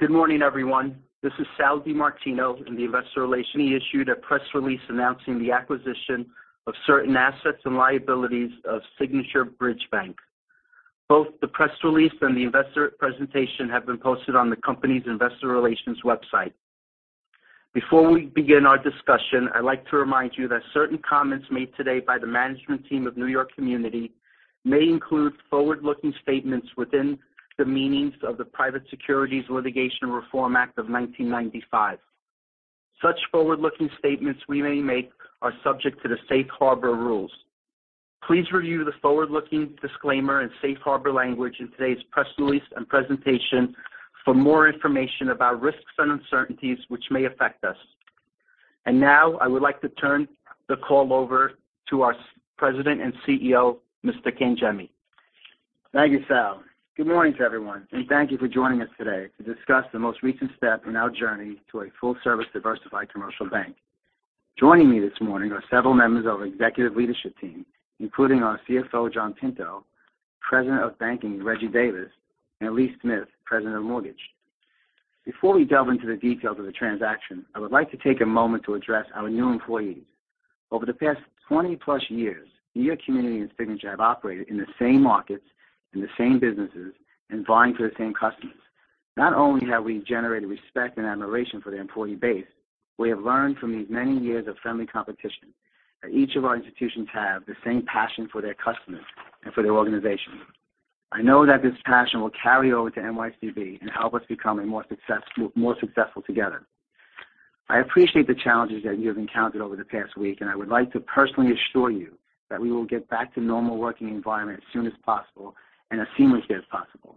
Good morning, everyone. This is Sal DiMartino in the investor relations. We issued a press release announcing the acquisition of certain assets and liabilities of Signature Bridge Bank. Both the press release and the investor presentation have been posted on the company's investor relations website. Before we begin our discussion, I'd like to remind you that certain comments made today by the management team of New York Community may include forward-looking statements within the meanings of the Private Securities Litigation Reform Act of 1995. Such forward-looking statements we may make are subject to the safe harbor rules. Please review the forward-looking disclaimer and safe harbor language in today's press release and presentation for more information about risks and uncertainties which may affect us. Now, I would like to turn the call over to our President and CEO, Mr. Cangemi. Thank you, Sal. Good morning to everyone. Thank you for joining us today to discuss the most recent step in our journey to a full-service diversified commercial bank. Joining me this morning are several members of our executive leadership team, including our CFO, John Pinto, President of Banking, Reggie Davis, and Lee Smith, President of Mortgage. Before we delve into the details of the transaction, I would like to take a moment to address our new employees. Over the past 20-plus years, New York Community and Signature have operated in the same markets, in the same businesses, vying for the same customers. Not only have we generated respect and admiration for the employee base, we have learned from these many years of friendly competition that each of our institutions have the same passion for their customers and for their organization. I know that this passion will carry over to NYCB and help us become a more successful together. I appreciate the challenges that you have encountered over the past week, and I would like to personally assure you that we will get back to normal working environment as soon as possible and as seamlessly as possible.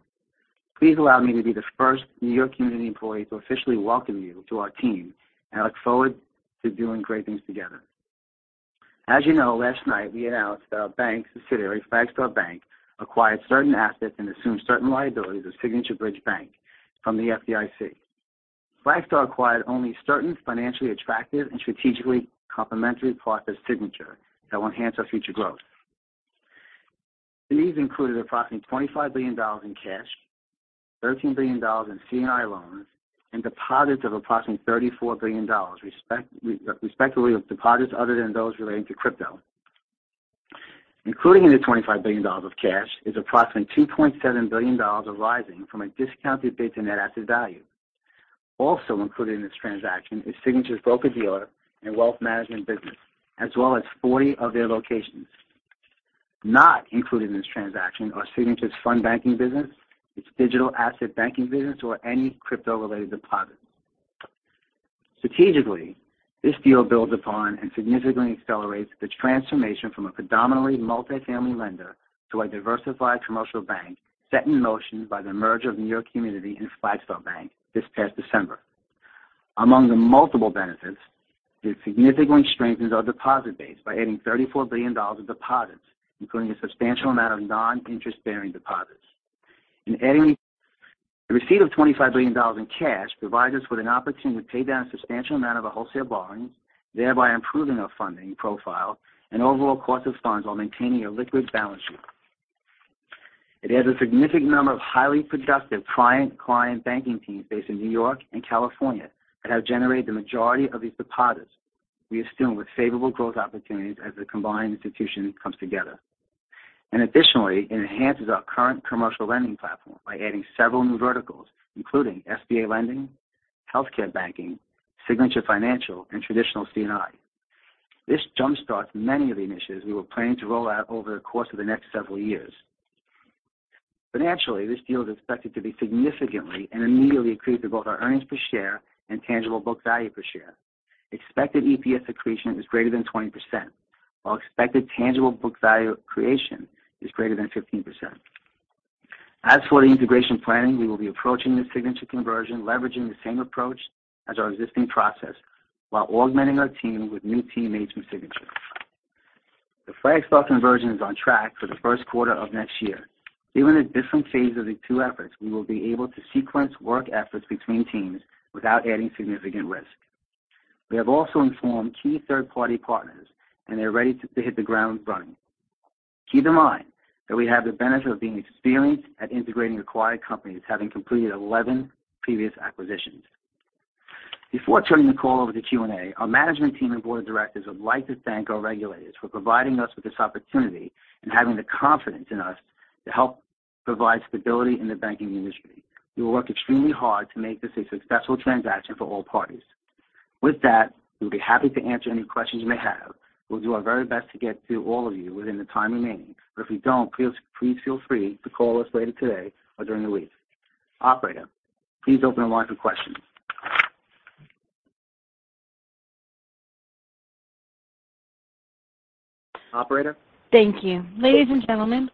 Please allow me to be the first New York Community employee to officially welcome you to our team, and I look forward to doing great things together. As you know, last night we announced that our bank subsidiary, Flagstar Bank, acquired certain assets and assumed certain liabilities of Signature Bridge Bank from the FDIC. Flagstar acquired only certain financially attractive and strategically complementary parts of Signature that will enhance our future growth. These included approximately $25 billion in cash, $13 billion in C&I loans, and deposits of approximately $34 billion, respectively of deposits other than those relating to crypto. Including the $25 billion of cash is approximately $2.7 billion arising from a discounted beta net asset value. Also included in this transaction is Signature's broker-dealer and wealth management business, as well as 40 of their locations. Not included in this transaction are Signature's fund banking business, its digital asset banking business, or any crypto-related deposits. Strategically, this deal builds upon and significantly accelerates the transformation from a predominantly multifamily lender to a diversified commercial bank set in motion by the merger of New York Community and Flagstar Bank this past December. Among the multiple benefits, it significantly strengthens our deposit base by adding $34 billion of deposits, including a substantial amount of non-interest-bearing deposits. The receipt of $25 billion in cash provides us with an opportunity to pay down a substantial amount of our wholesale borrowings, thereby improving our funding profile and overall cost of funds while maintaining a liquid balance sheet. It adds a significant number of highly productive client banking teams based in New York and California that have generated the majority of these deposits we assume with favorable growth opportunities as the combined institution comes together. Additionally, it enhances our current commercial lending platform by adding several new verticals, including SBA lending, healthcare banking, Signature Financial, and traditional C&I. This jumpstarts many of the initiatives we were planning to roll out over the course of the next several years. Financially, this deal is expected to be significantly and immediately accretive to both our earnings per share and tangible book value per share. Expected EPS accretion is greater than 20%, while expected tangible book value creation is greater than 15%. As for the integration planning, we will be approaching the Signature conversion leveraging the same approach as our existing process while augmenting our team with new teammates from Signature. The Flagstar conversion is on track for the first quarter of next year. Given the different phase of the two efforts, we will be able to sequence work efforts between teams without adding significant risk. We have also informed key third-party partners, and they're ready to hit the ground running. Keep in mind that we have the benefit of being experienced at integrating acquired companies, having completed 11 previous acquisitions. Before turning the call over to Q&A, our management team and board of directors would like to thank our regulators for providing us with this opportunity and having the confidence in us to help provide stability in the banking industry. We will work extremely hard to make this a successful transaction for all parties. We'll be happy to answer any questions you may have. We'll do our very best to get to all of you within the time remaining. But if we don't, please feel free to call us later today or during the week. Operator, please open the line for questions. Operator? Thank you. Ladies and gentlemen,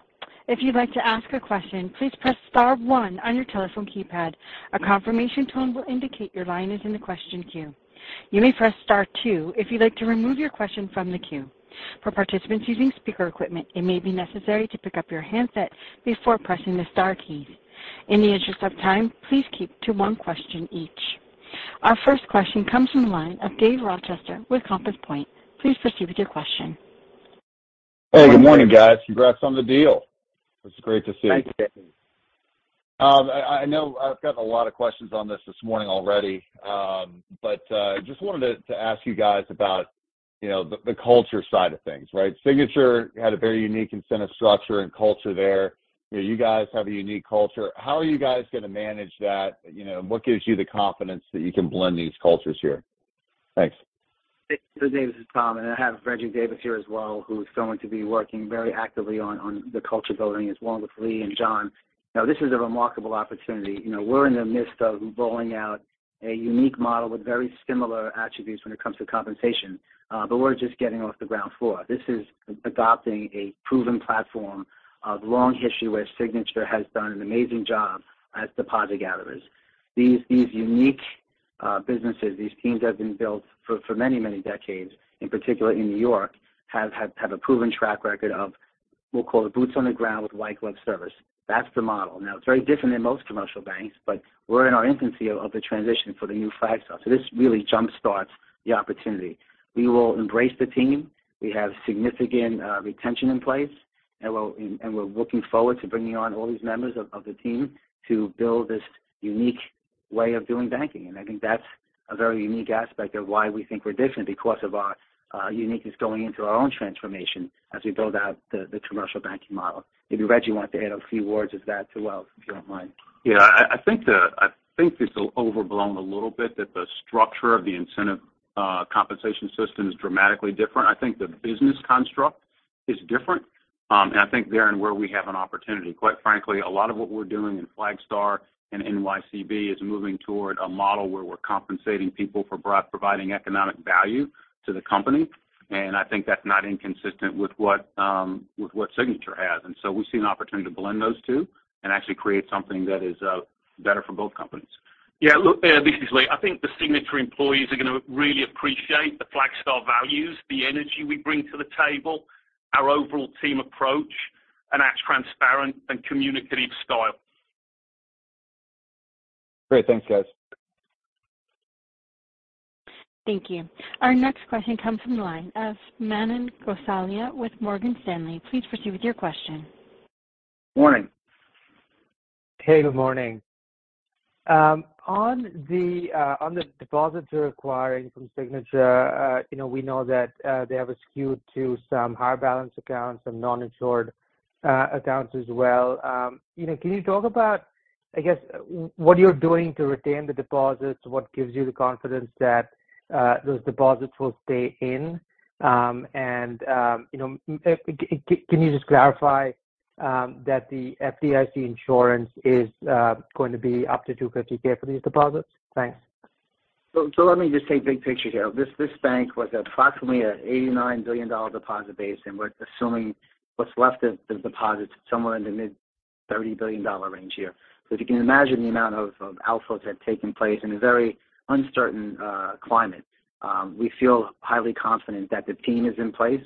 if you'd like to ask a question, please press star one on your telephone keypad. A confirmation tone will indicate your line is in the question queue. You may press star two if you'd like to remove your question from the queue. For participants using speaker equipment, it may be necessary to pick up your handset before pressing the star key. In the interest of time, please keep to one question each. Our first question comes from the line of Dave Rochester with Compass Point. Please proceed with your question. Hey, good morning, guys. Congrats on the deal. It's great to see. Thanks Dave. I know I've gotten a lot of questions on this this morning already. just wanted to ask you guys about, you know, the culture side of things, right? Signature had a very unique incentive structure and culture there. You know, you guys have a unique culture. How are you guys gonna manage that? You know, what gives you the confidence that you can blend these cultures here? Thanks. This is Tom, and I have Reggie Davis here as well, who is going to be working very actively on the culture building, as well with Lee and John. This is a remarkable opportunity. You know, we're in the midst of rolling out a unique model with very similar attributes when it comes to compensation, but we're just getting off the ground floor. This is adopting a proven platform, a long history where Signature has done an amazing job as deposit gatherers. These unique businesses, these teams have been built for many decades. In particular in New York have a proven track record of, we'll call it boots on the ground with white glove service. That's the model. It's very different than most commercial banks, but we're in our infancy of the transition for the new Flagstar. This really jumpstarts the opportunity. We will embrace the team. We have significant retention in place, and we're looking forward to bringing on all these members of the team to build this unique way of doing banking. I think that's a very unique aspect of why we think we're different because of our uniqueness going into our own transformation as we build out the commercial banking model. Maybe, Reggie, you want to add a few words of that too as well, if you don't mind. Yeah. I think it's overblown a little bit that the structure of the incentive compensation system is dramatically different. I think the business construct is different. I think therein where we have an opportunity. Quite frankly, a lot of what we're doing in Flagstar and NYCB is moving toward a model where we're compensating people for providing economic value to the company. I think that's not inconsistent with what Signature has. We see an opportunity to blend those two and actually create something that is better for both companies. Yeah. Look, this is Lee. I think the Signature employees are gonna really appreciate the Flagstar values, the energy we bring to the table, our overall team approach and our transparent and communicative style. Great. Thanks, guys. Thank you. Our next question comes from the line of Manan Gosalia with Morgan Stanley. Please proceed with your question. Morning. Hey, good morning. On the deposits you're acquiring from Signature, you know, we know that they have a skew to some higher balance accounts, some non-insured accounts as well. You know, can you talk about, I guess, what you're doing to retain the deposits? What gives you the confidence that those deposits will stay in? You know, can you just clarify that the FDIC insurance is going to be up to $250K for these deposits? Thanks. Let me just take big picture here. This bank was approximately a $89 billion deposit base, and we're assuming what's left of the deposits somewhere in the mid $30 billion range here. If you can imagine the amount of outflows that have taken place in a very uncertain climate. We feel highly confident that the team is in place.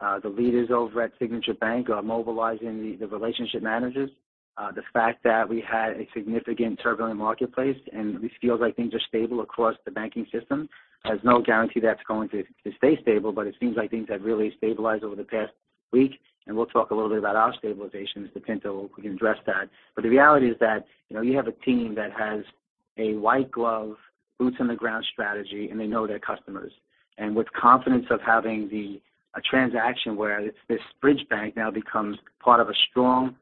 The leaders over at Signature Bank are mobilizing the relationship managers. The fact that we had a significant turbulent marketplace, this feels like things are stable across the banking system. There's no guarantee that's going to stay stable, it seems like things have really stabilized over the past week. We'll talk a little bit about our stabilizations. Potentially we can address that. The reality is that, you know, you have a team that has a white glove, boots on the ground strategy, and they know their customers. With confidence of having a transaction where this bridge bank now becomes part of a strong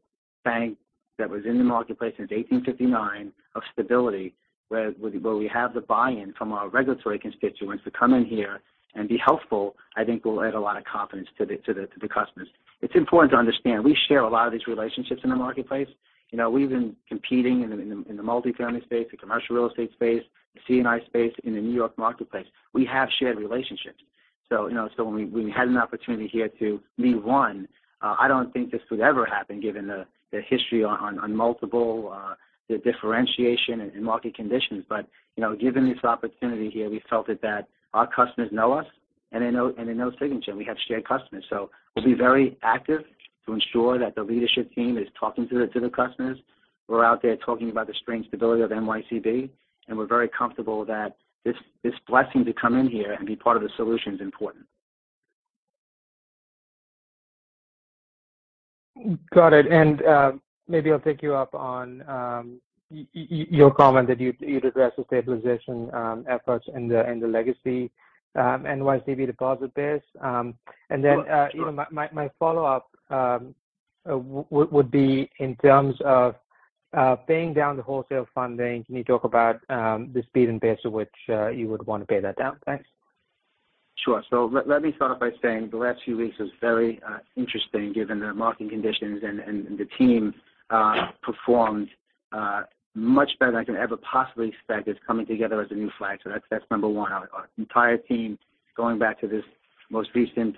bank that was in the marketplace since 1859 of stability, where we have the buy-in from our regulatory constituents to come in here and be helpful, I think will add a lot of confidence to the customers. It's important to understand, we share a lot of these relationships in the marketplace. You know, we've been competing in the multifamily space, the commercial real estate space, the C&I space in the New York marketplace. We have shared relationships. You know, so when we had an opportunity here to be one, I don't think this would ever happen given the history on multiple, the differentiation and market conditions. You know, given this opportunity here, we felt that our customers know us and they know Signature. We have shared customers. We'll be very active to ensure that the leadership team is talking to the customers. We're out there talking about the strength, stability of NYCB, and we're very comfortable that this blessing to come in here and be part of the solution is important. Got it. Maybe I'll take you up on your comment that you'd address the stabilization efforts in the legacy NYCB deposit base. Sure. Sure. You know, my follow-up would be in terms of paying down the wholesale funding. Can you talk about the speed and pace at which you would want to pay that down? Thanks. Sure. Let me start off by saying the last few weeks was very interesting given the market conditions and the team performed much better than I could ever possibly expect. It's coming together as a new Flagstar. That's number one. Our entire team going back to this most recent,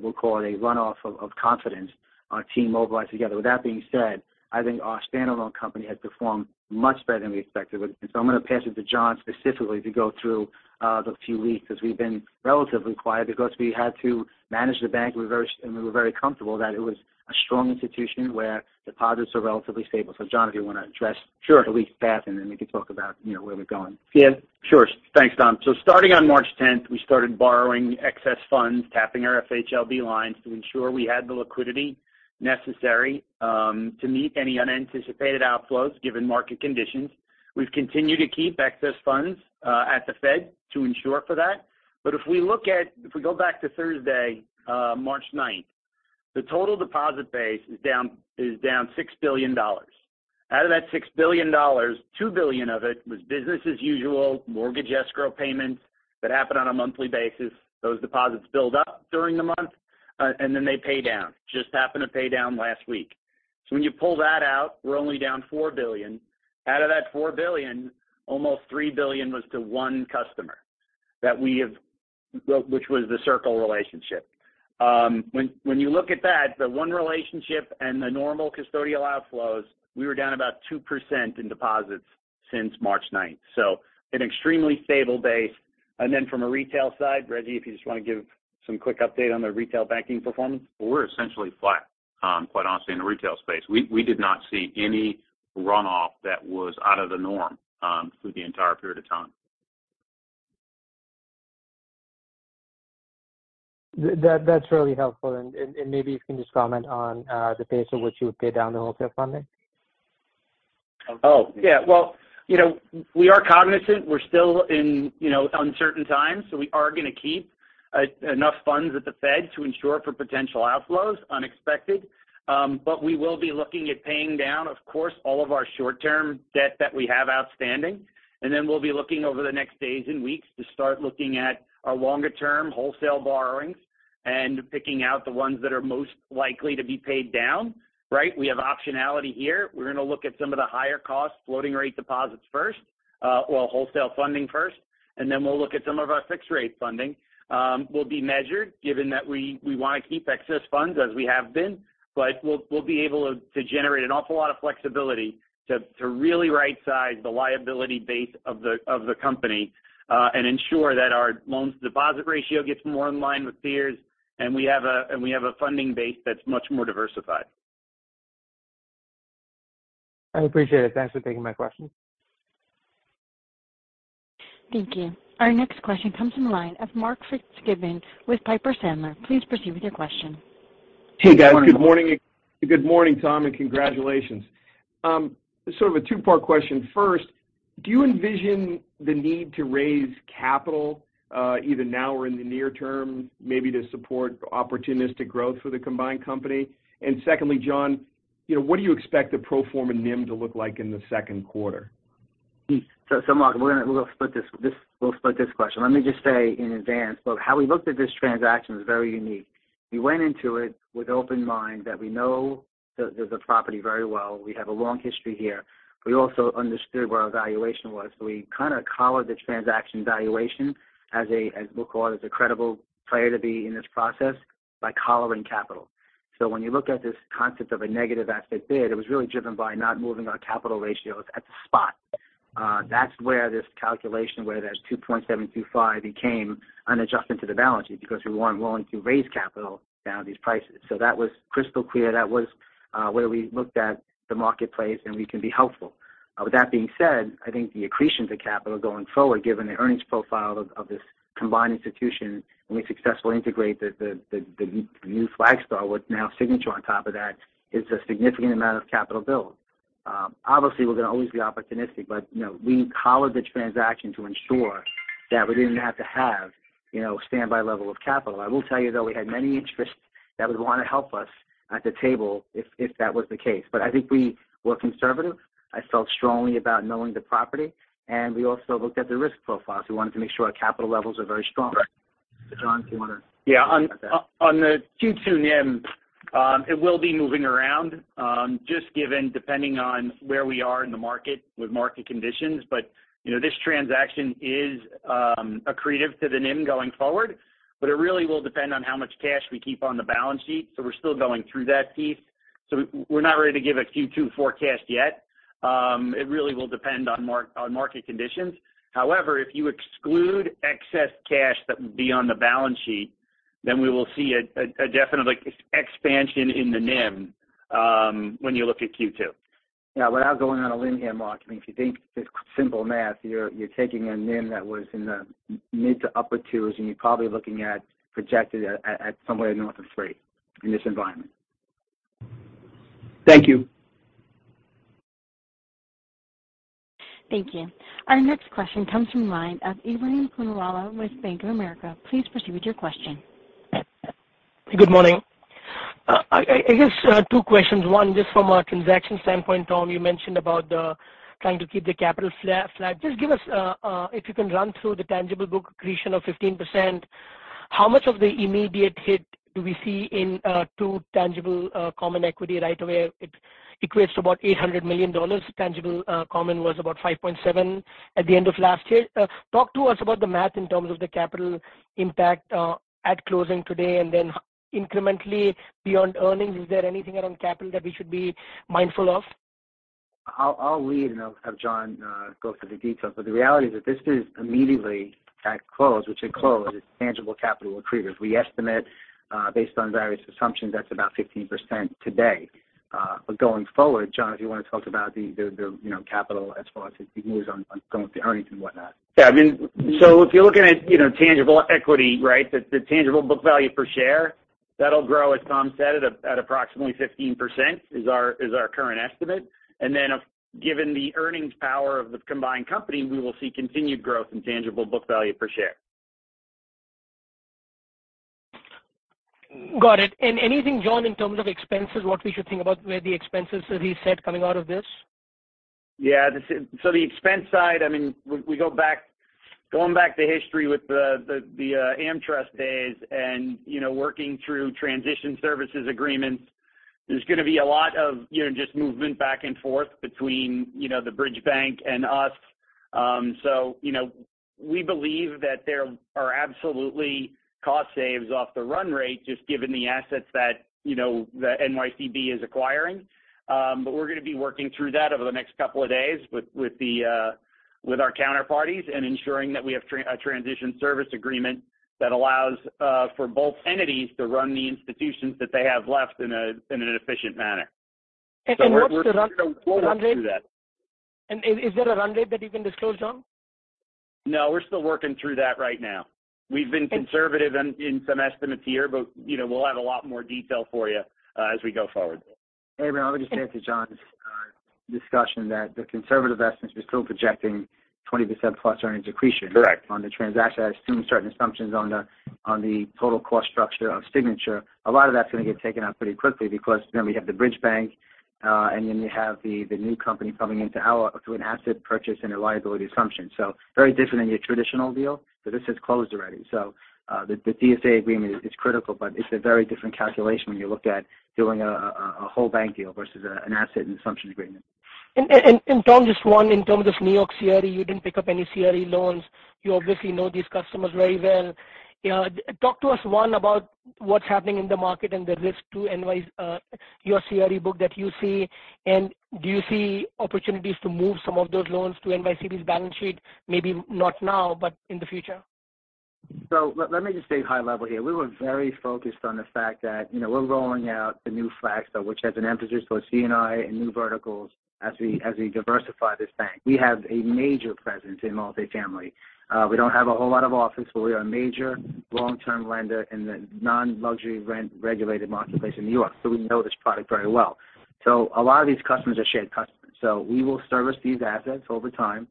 we'll call it a runoff of confidence. Our team mobilized together. With that being said, I think our standalone company has performed much better than we expected. I'm gonna pass it to John specifically to go through those few weeks as we've been relatively quiet because we had to manage the bank. We were very comfortable that it was strong institution where deposits are relatively stable. John, if you want to address. Sure. The recent path, and then we can talk about, you know, where we're going. Yeah. Sure. Thanks, Tom. Starting on March 10th, we started borrowing excess funds, tapping our FHLB lines to ensure we had the liquidity necessary to meet any unanticipated outflows given market conditions. We've continued to keep excess funds at the Fed to ensure for that. If we go back to Thursday, March 9th, the total deposit base is down $6 billion. Out of that $6 billion, $2 billion of it was business as usual, mortgage escrow payments that happen on a monthly basis. Those deposits build up during the month, and then they pay down. Just happened to pay down last week. When you pull that out, we're only down $4 billion. Out of that $4 billion, almost $3 billion was to 1 customer that we have, which was the Circle relationship. When you look at that, the one relationship and the normal custodial outflows, we were down about 2% in deposits since March ninth. An extremely stable base. From a retail side, Reggie, if you just want to give some quick update on the retail banking performance. We're essentially flat, quite honestly, in the retail space. We did not see any runoff that was out of the norm, through the entire period of time. That's really helpful. Maybe if you can just comment on the pace at which you would pay down the wholesale funding. Oh. Yeah. Well, you know, we are cognizant we're still in, you know, uncertain times. We are gonna keep enough funds at the Fed to ensure for potential outflows, unexpected. We will be looking at paying down, of course, all of our short-term debt that we have outstanding. We'll be looking over the next days and weeks to start looking at our longer term wholesale borrowings and picking out the ones that are most likely to be paid down, right? We have optionality here. We're gonna look at some of the higher cost floating rate deposits first, well, wholesale funding first, and then we'll look at some of our fixed rate funding. We'll be measured given that we wanna keep excess funds as we have been, but we'll be able to generate an awful lot of flexibility to really right-size the liability base of the company and ensure that our loans to deposit ratio gets more in line with peers, and we have a funding base that's much more diversified. I appreciate it. Thanks for taking my question. Thank you. Our next question comes from the line of Mark Fitzgibbon with Piper Sandler. Please proceed with your question. Hey, guys. Good morning. Good morning, Tom, and congratulations. Sort of a two-part question. First, do you envision the need to raise capital, either now or in the near term, maybe to support opportunistic growth for the combined company? Secondly, John, you know, what do you expect the pro forma NIM to look like in the second quarter? Mark, we're gonna split this question. Let me just say in advance, how we looked at this transaction was very unique. We went into it with open mind that we know the property very well. We have a long history here. We also understood where our valuation was. We kind of collared the transaction valuation as we'll call it, as a credible player to be in this process by collaring capital. When you look at this concept of a negative asset bid, it was really driven by not moving our capital ratios at the spot. That's where this calculation where there's 2.725 became an adjustment to the balance sheet because we weren't willing to raise capital down at these prices. That was crystal clear. That was where we looked at the marketplace, and we can be helpful. With that being said, I think the accretion to capital going forward, given the earnings profile of this combined institution, when we successfully integrate the new Flagstar with now Signature on top of that is a significant amount of capital build. Obviously we're gonna always be opportunistic, but you know, we collared the transaction to ensure that we didn't have to have, you know, standby level of capital. I will tell you though, we had many interests that would wanna help us at the table if that was the case. I think we were conservative. I felt strongly about knowing the property, and we also looked at the risk profiles. We wanted to make sure our capital levels are very strong. John, do you. Yeah. On the Q2 NIM, it will be moving around, just given depending on where we are in the market with market conditions. You know, this transaction is accretive to the NIM going forward, it really will depend on how much cash we keep on the balance sheet. We're still going through that, Keith. We're not ready to give a Q2 forecast yet. It really will depend on market conditions. However, if you exclude excess cash that would be on the balance sheet, then we will see a definite like expansion in the NIM, when you look at Q2. Yeah. Without going on a limb here, Mark, I mean, if you think just simple math, you're taking a NIM that was in the mid to upper twos, and you're probably looking at projected at somewhere north of three in this environment. Thank you. Thank you. Our next question comes from the line of Ebrahim Poonawala with Bank of America. Please proceed with your question. Good morning. I guess, two questions. One, just from a transaction standpoint, Tom, you mentioned about trying to keep the capital flat. Just give us, if you can run through the tangible book accretion of 15%, how much of the immediate hit do we see in to tangible common equity right away? It equates to about $800 million. Tangible common was about $5.7 at the end of last year. Talk to us about the math in terms of the capital impact at closing today. Incrementally beyond earnings, is there anything around capital that we should be mindful of? I'll lead and have John go through the details. The reality is that this is immediately at close, which at close is tangible capital accretive. We estimate, based on various assumptions, that's about 15% today. Going forward, John, if you wanna talk about the, you know, capital as far as it moves on going through earnings and whatnot. I mean, if you're looking at, you know, tangible equity, right, the tangible book value per share, that'll grow, as Tom said, at approximately 15% is our current estimate. Given the earnings power of the combined company, we will see continued growth in tangible book value per share. Got it. Anything, John, in terms of expenses, what we should think about where the expenses, as he said, coming out of this? Yeah. The so the expense side, I mean, we going back to history with the AmTrust days and, you know, working through transition services agreements, there's gonna be a lot of, you know, just movement back and forth between, you know, the Bridge Bank and us. You know, we believe that there are absolutely cost saves off the run rate just given the assets that, you know, that NYCB is acquiring. We're gonna be working through that over the next couple of days with the with our counterparties and ensuring that we have a transition service agreement that allows for both entities to run the institutions that they have left in an efficient manner. What's the run rate? We're still working through that. Is there a run rate that you can disclose, John? We're still working through that right now. We've been conservative in some estimates here, but, you know, we'll have a lot more detail for you as we go forward. Hey, Ebrahim, I would just add to John's discussion that the conservative estimates, we're still projecting 20% plus earnings accretion... Correct On the transaction, assuming certain assumptions on the total cost structure of Signature. A lot of that's gonna get taken out pretty quickly because then we have the Bridge Bank, and then you have the new company coming into our through an asset purchase and a liability assumption. Very different than your traditional deal, but this is closed already. The DSA agreement is critical, but it's a very different calculation when you look at doing a whole bank deal versus an asset and assumption agreement. Tom, just one. In terms of New York CRE, you didn't pick up any CRE loans. You obviously know these customers very well. You know, talk to us, one, about what's happening in the market and the risk to N.Y.'s your CRE book that you see. Do you see opportunities to move some of those loans to NYCB's balance sheet, maybe not now, but in the future? Let me just stay high level here. We were very focused on the fact that, you know, we're rolling out the new Flagstar, which has an emphasis towards C&I and new verticals as we diversify this bank. We have a major presence in multifamily. We don't have a whole lot of office, but we are a major long-term lender in the non-luxury rent regulated marketplace in New York. We know this product very well. A lot of these customers are shared customers. We will service these assets over time.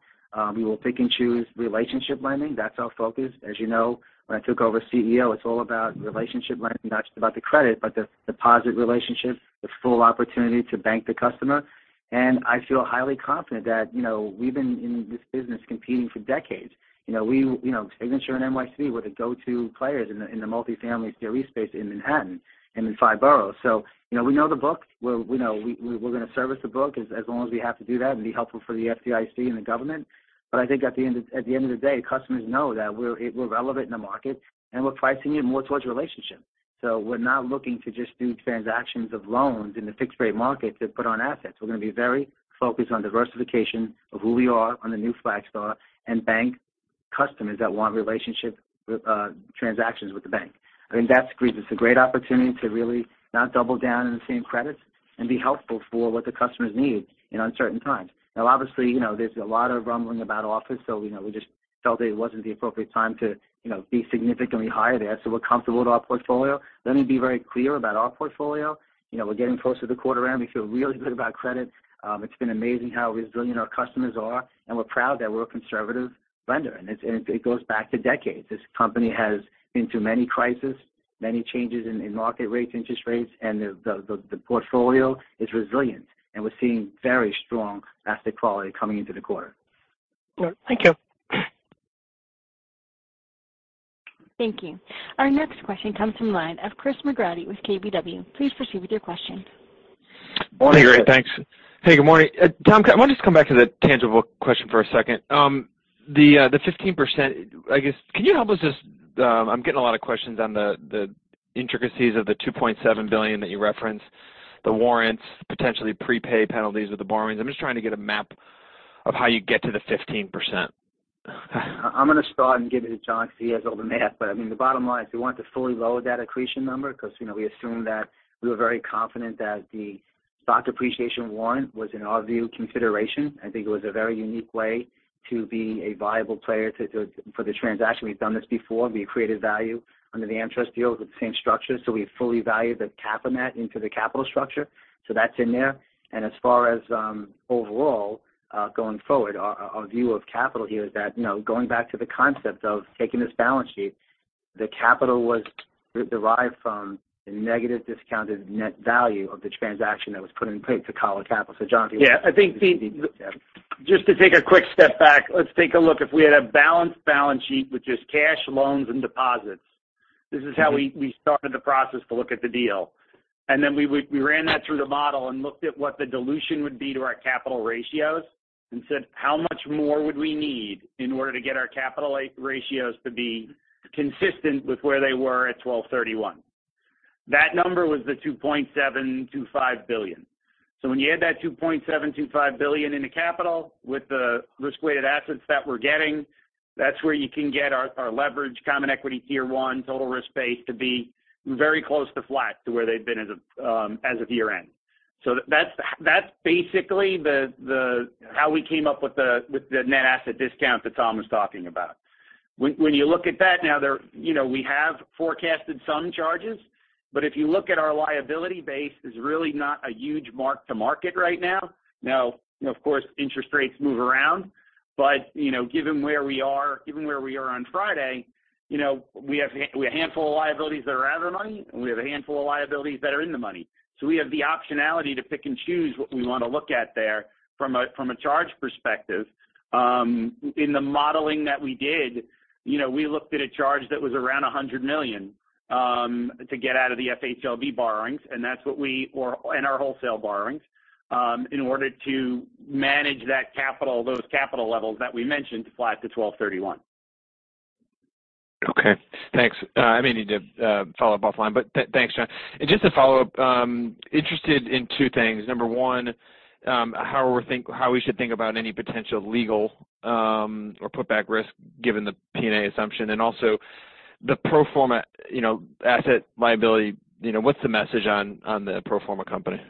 We will pick and choose relationship lending. That's our focus. As you know, when I took over CEO, it's all about relationship lending, not just about the credit, but the deposit relationship, the full opportunity to bank the customer. I feel highly confident that, you know, we've been in this business competing for decades. You know, we, you know, Signature and NYCB were the go-to players in the, in the multifamily CRE space in Manhattan and in Five Boroughs. You know, we know the book. We know we're gonna service the book as long as we have to do that and be helpful for the FDIC and the government. I think at the end of the day, customers know that we're relevant in the market, and we're pricing it more towards relationship. We're not looking to just do transactions of loans in the fixed-rate market to put on assets. We're gonna be very focused on diversification of who we are on the new Flagstar and bank customers that want relationship with, transactions with the bank. I mean, that's great. It's a great opportunity to really not double down on the same credits and be helpful for what the customers need in uncertain times. Obviously, you know, there's a lot of rumbling about office, so, you know, we just felt that it wasn't the appropriate time to, you know, be significantly higher there. We're comfortable with our portfolio. Let me be very clear about our portfolio. You know, we're getting closer to the quarter end. We feel really good about credit. It's been amazing how resilient our customers are, and we're proud that we're a conservative lender, and it goes back to decades. This company has been through many crises, many changes in market rates, interest rates, and the portfolio is resilient, and we're seeing very strong asset quality coming into the quarter. All right. Thank you. Thank you. Our next question comes from the line of Chris McGratty with KBW. Please proceed with your question. Morning. Hey, great. Thanks. Hey, good morning. Tom, I want to just come back to the tangible question for a second. The 15%, I guess, can you help us just? I'm getting a lot of questions on the intricacies of the $2.7 billion that you referenced, the warrants, potentially prepaid penalties with the borrowings. I'm just trying to get a map of how you get to the 15%. I'm going to start and give it to John because he has all the math. I mean, the bottom line is we want to fully load that accretion number because, you know, we assume that we were very confident that the stock appreciation warrant was, in our view, consideration. I think it was a very unique way to be a viable player to for the transaction. We've done this before. We created value under the AmTrust deal with the same structure, so we fully value the cap on that into the capital structure. That's in there. As far as overall going forward, our view of capital here is that, you know, going back to the concept of taking this balance sheet, the capital was derived from the negative discounted net value of the transaction that was put in place to call it capital. John, do you wanna- Yeah. I think. Yeah. Just to take a quick step back, let's take a look. If we had a balanced balance sheet with just cash, loans, and deposits, this is how we started the process to look at the deal. We ran that through the model and looked at what the dilution would be to our capital ratios and said, "How much more would we need in order to get our capital eight ratios to be consistent with where they were at 12/31?" That number was the $2.725 billion. When you add that $2.725 billion into capital with the risk-weighted assets that we're getting, that's where you can get our leverage common equity Tier 1 total risk base to be very close to flat to where they've been as of year-end. That's basically the how we came up with the net asset discount that Tom was talking about. When you look at that now there, you know, we have forecasted some charges. If you look at our liability base is really not a huge mark to market right now. Of course, interest rates move around. You know, given where we are, given where we are on Friday, you know, we have a handful of liabilities that are out of the money, and we have a handful of liabilities that are in the money. We have the optionality to pick and choose what we want to look at there from a charge perspective. In the modeling that we did, you know, we looked at a charge that was around $100 million to get out of the FHLB borrowings, and our wholesale borrowings in order to manage that capital, those capital levels that we mentioned flat to 12/31. Okay. Thanks. I may need to follow up offline, but thanks, John. Just to follow up, interested in 2 things. Number 1, how we should think about any potential legal or put back risk given the P&A assumption, and also the pro forma, you know, asset liability, you know, what's the message on the pro forma company?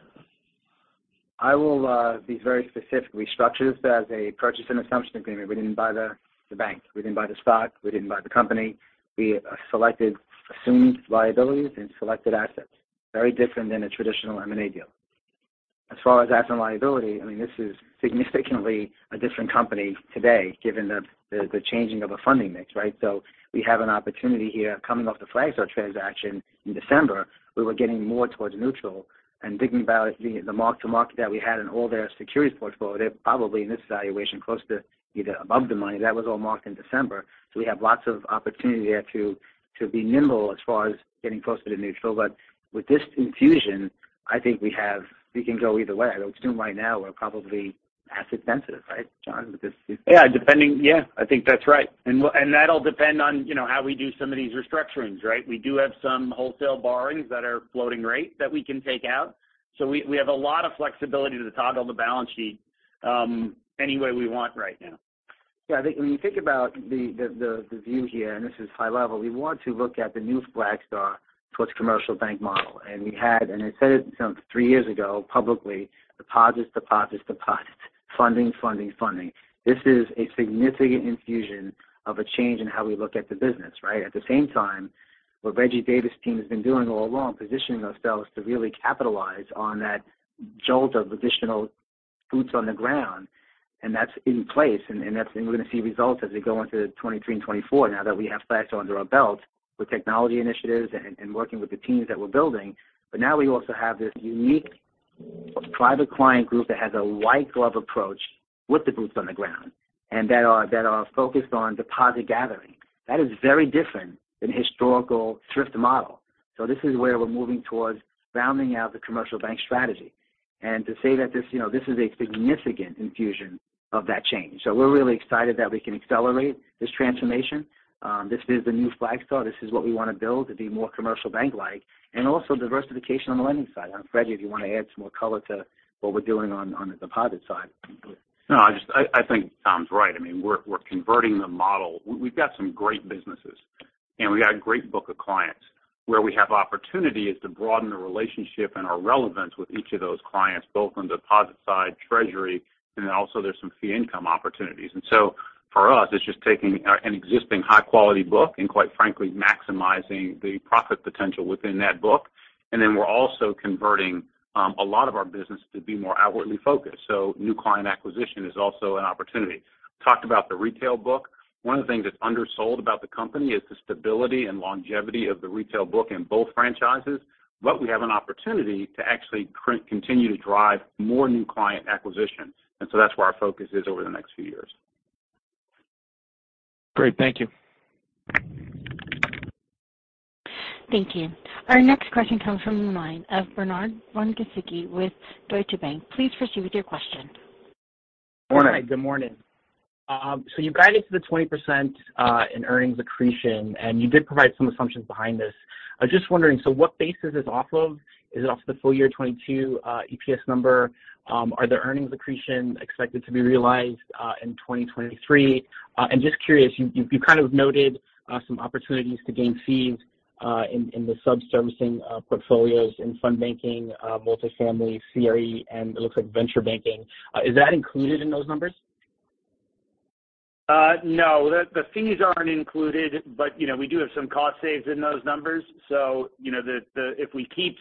I will be very specific. We structured this as a purchase and assumption agreement. We didn't buy the bank. We didn't buy the stock. We didn't buy the company. We selected assumed liabilities and selected assets. Very different than a traditional M&A deal. As far as asset and liability, I mean, this is significantly a different company today given the changing of a funding mix, right? We have an opportunity here coming off the Flagstar transaction in December. We were getting more towards neutral and thinking about the mark to market that we had in all their securities portfolio. They're probably in this valuation close to either above the money. That was all marked in December. We have lots of opportunity there to be nimble as far as getting closer to neutral. With this infusion, I think we can go either way. I would assume right now we're probably asset sensitive, right, John? With this infusion. Yeah, depending. Yeah, I think that's right. that'll depend on, you know, how we do some of these restructurings, right? We do have some wholesale borrowings that are floating rate that we can take out. we have a lot of flexibility to toggle the balance sheet any way we want right now. Yeah. I think when you think about the view here, this is high level. We want to look at the new Flagstar towards commercial bank model. We had, I said it some three years ago publicly, deposits, funding. This is a significant infusion of a change in how we look at the business, right? At the same time, what Reggie Davis team has been doing all along, positioning ourselves to really capitalize on that jolt of additional boots on the ground, that's in place. We're going to see results as we go into 2023 and 2024 now that we have Flagstar under our belt with technology initiatives, working with the teams that we're building. Now we also have this unique private client group that has a white glove approach with the boots on the ground and that are focused on deposit gathering. That is very different than historical thrift model. This is where we're moving towards rounding out the commercial bank strategy. To say that this, you know, this is a significant infusion of that change. We're really excited that we can accelerate this transformation. This is the new Flagstar. This is what we want to build to be more commercial bank-like and also diversification on the lending side. I don't know, Reggie, if you want to add some more color to what we're doing on the deposit side? No. I think Tom's right. I mean, we're converting the model. We've got some great businesses, and we got a great book of clients. Where we have opportunity is to broaden the relationship and our relevance with each of those clients, both on deposit side treasury, and then also there's some fee income opportunities. For us, it's just taking an existing high-quality book and quite frankly maximizing the profit potential within that book. We're also converting a lot of our business to be more outwardly focused. New client acquisition is also an opportunity. Talked about the retail book. One of the things that's undersold about the company is the stability and longevity of the retail book in both franchises. We have an opportunity to actually continue to drive more new client acquisition. That's where our focus is over the next few years. Great. Thank you. Thank you. Our next question comes from the line of Bernard von Gizycki with Deutsche Bank. Please proceed with your question. Morning. Hi. Good morning. You guided to the 20% in earnings accretion, and you did provide some assumptions behind this. I was just wondering, what base is this off of? Is it off the full year 2022 EPS number? Are there earnings accretion expected to be realized in 2023? Just curious, you've kind of noted some opportunities to gain fees in the sub-servicing portfolios in fund banking, multifamily, CRE, and it looks like venture banking. Is that included in those numbers? No. The fees aren't included, but, you know, we do have some cost saves in those numbers. You know, the if we keep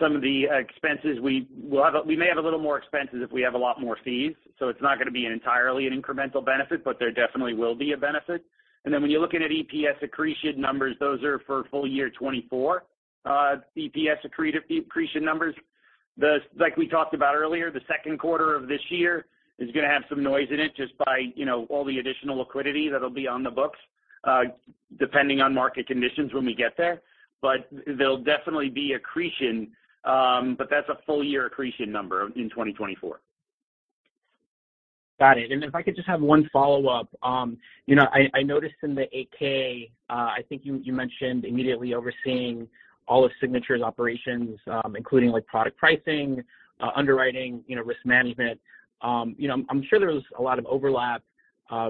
some of the expenses, we may have a little more expenses if we have a lot more fees. It's not going to be entirely an incremental benefit, but there definitely will be a benefit. When you're looking at EPS accretion numbers, those are for full year 2024, EPS accretive accretion numbers. Like we talked about earlier, the second quarter of this year is going to have some noise in it just by, you know, all the additional liquidity that'll be on the books, depending on market conditions when we get there. There'll definitely be accretion, but that's a full year accretion number in 2024. Got it. If I could just have one follow-up? You know, I noticed in the AK, I think you mentioned immediately overseeing all of Signature's operations, including like product pricing, underwriting, you know, risk management. You know, I'm sure there's a lot of overlap,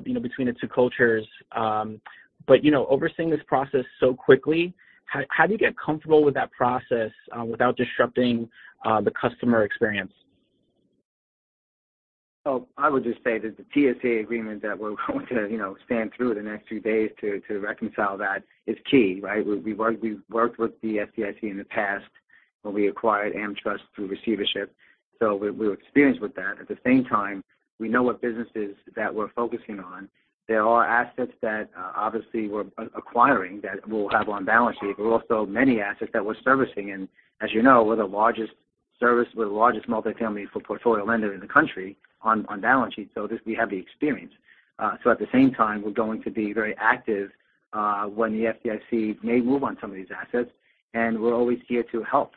you know, between the two cultures. You know, overseeing this process so quickly, how do you get comfortable with that process, without disrupting, the customer experience? I would just say that the TSA agreement that we're going to, you know, stand through the next few days to reconcile that is key, right? We've worked with the FDIC in the past when we acquired AmTrust through receivership. We were experienced with that. At the same time, we know what businesses that we're focusing on. There are assets that, obviously we're acquiring that we'll have on balance sheet, but also many assets that we're servicing. As you know, we're the largest multifamily for portfolio lender in the country on balance sheet. This we have the experience. At the same time, we're going to be very active when the FDIC may move on some of these assets, and we're always here to help.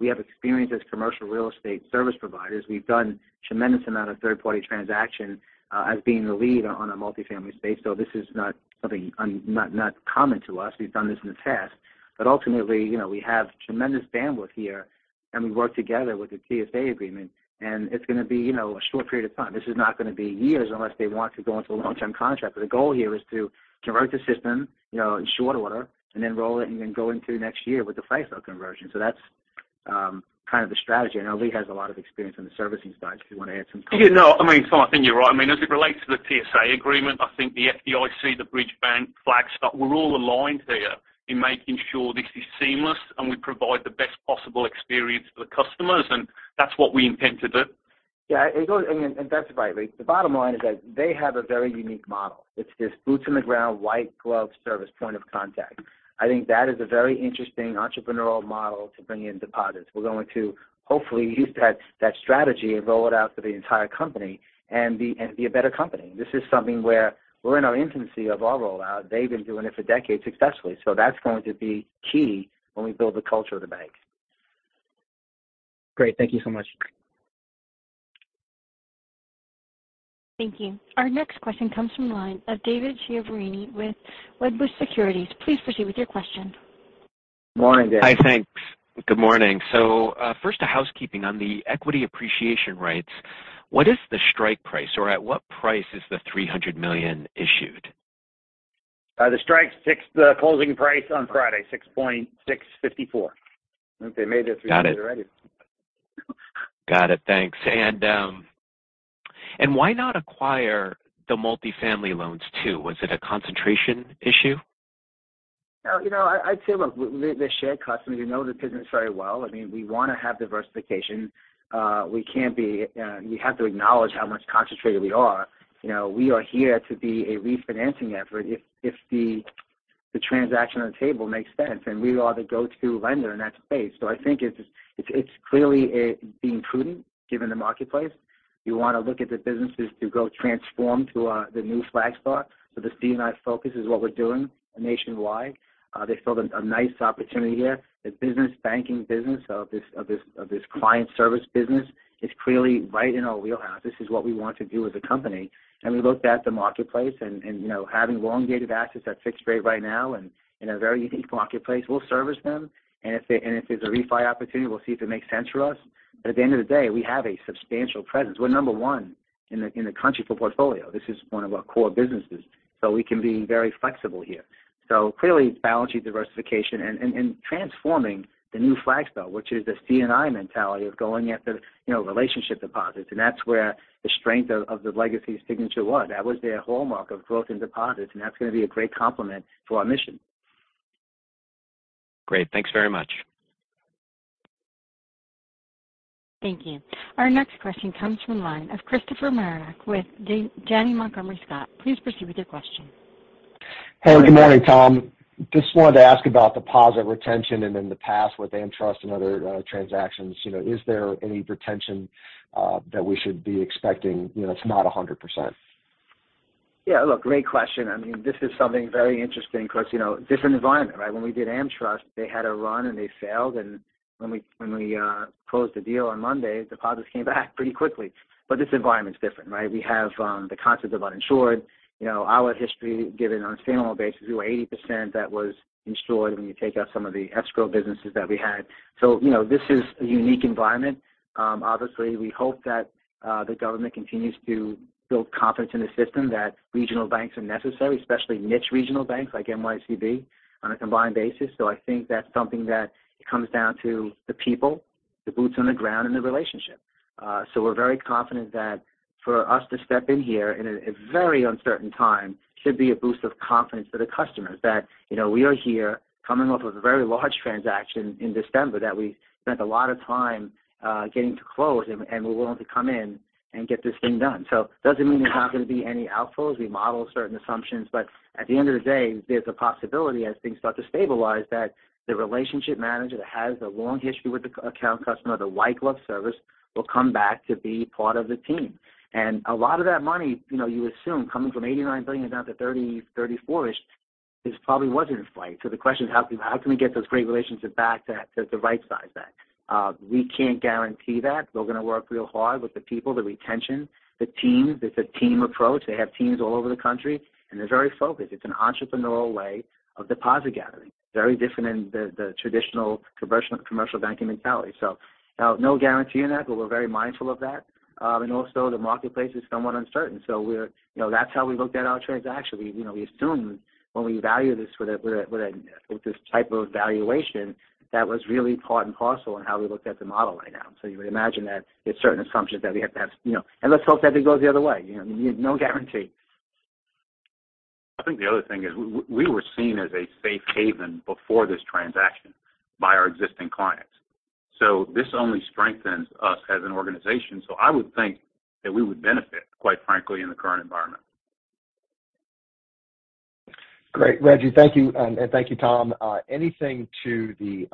We have experience as commercial real estate service providers. We've done tremendous amount of third-party transaction, as being the lead on a multifamily space. This is not something not common to us. We've done this in the past, but ultimately, you know, we have tremendous bandwidth here, and we work together with the TSA agreement, and it's gonna be, you know, a short period of time. This is not gonna be years unless they want to go into a long-term contract. The goal here is to convert the system, you know, in short order and then roll it and then go into next year with the Flagstar conversion. That's kind of the strategy. I know Lee has a lot of experience on the servicing side, if you want to add some color. Yeah, no, I mean, Tom, I think you're right. I mean, as it relates to the TSA agreement, I think the FDIC, the bridge bank, Flagstar, we're all aligned here in making sure this is seamless and we provide the best possible experience for the customers, and that's what we intend to do. Yeah. That's right, Lee. The bottom line is that they have a very unique model. It's this boots on the ground, white glove service point of contact. I think that is a very interesting entrepreneurial model to bring in deposits. We're going to hopefully use that strategy and roll it out for the entire company and be a better company. This is something where we're in our infancy of our rollout. They've been doing it for decades successfully. That's going to be key when we build the culture of the bank. Great. Thank you so much. Thank you. Our next question comes from the line of David Chiaverini with Wedbush Securities. Please proceed with your question. Morning, Dave. Hi. Thanks. Good morning. First, a housekeeping on the equity appreciation rates. What is the strike price or at what price is the $300 million issued? The strike, six, the closing price on Friday, $6.654. I think they made that decision already. Got it. Got it. Thanks. Why not acquire the multifamily loans too? Was it a concentration issue? You know, I'd say, look, with the shared customers, we know this business very well. I mean, we wanna have diversification. We have to acknowledge how much concentrated we are. You know, we are here to be a refinancing effort if the transaction on the table makes sense and we are the go-to lender in that space. I think it's clearly being prudent given the marketplace. We wanna look at the businesses to go transform to the new Flagstar. The C&I focus is what we're doing nationwide. They filled a nice opportunity here. The business banking business of this client service business is clearly right in our wheelhouse. This is what we want to do as a company. We looked at the marketplace and, you know, having elongated assets at fixed rate right now and in a very unique marketplace. We'll service them and if there's a refi opportunity, we'll see if it makes sense for us. At the end of the day, we have a substantial presence. We're number 1 in the country for portfolio. This is one of our core businesses. We can be very flexible here. Clearly it's balance sheet diversification and transforming the new Flagstar, which is the CNI mentality of going after, you know, relationship deposits. That's where the strength of the legacy Signature was. That was their hallmark of growth and deposits, and that's gonna be a great complement to our mission. Great. Thanks very much. Thank you. Our next question comes from the line of Christopher Marinac with Janney Montgomery Scott. Please proceed with your question. Hey, good morning, Tom. Just wanted to ask about deposit retention and in the past with AmTrust and other transactions. You know, is there any retention that we should be expecting, you know, it's not 100%? Yeah. Look, great question. I mean, this is something very interesting because, you know, different environment, right? When we did AmTrust, they had a run, they failed. When we closed the deal on Monday, deposits came back pretty quickly. This environment is different, right? We have the concept of uninsured. You know, our history given on a standalone basis, we were 80% that was insured when you take out some of the escrow businesses that we had. You know, this is a unique environment. Obviously we hope that the government continues to build confidence in the system that regional banks are necessary, especially niche regional banks like NYCB on a combined basis. I think that's something that comes down to the people, the boots on the ground and the relationship. We're very confident that for us to step in here in a very uncertain time should be a boost of confidence for the customers that, you know, we are here coming off of a very large transaction in December that we spent a lot of time getting to close and we're willing to come in and get this thing done. Doesn't mean there's not gonna be any outflows. We model certain assumptions, but at the end of the day, there's a possibility as things start to stabilize, that the relationship manager that has the long history with the account customer, the white glove service, will come back to be part of the team. A lot of that money, you know, you assume coming from $89 billion down to $30 billion-$34 billion-ish. This probably wasn't in flight. The question is, how can we get those great relationships back that the right size back? We can't guarantee that. We're gonna work real hard with the people, the retention, the teams. It's a team approach. They have teams all over the country, and they're very focused. It's an entrepreneurial way of deposit gathering. Very different in the traditional commercial banking mentality. Now no guarantee in that, but we're very mindful of that. And also the marketplace is somewhat uncertain. You know, that's how we looked at our transaction. We, you know, we assumed when we value this with a with this type of valuation that was really part and parcel in how we looked at the model right now. You would imagine that there's certain assumptions that we have to have, you know. Let's hope that it goes the other way, you know. I mean, no guarantee. I think the other thing is we were seen as a safe haven before this transaction by our existing clients. This only strengthens us as an organization. I would think that we would benefit, quite frankly, in the current environment. Great. Reggie, thank you. Thank you, Tom. Anything to the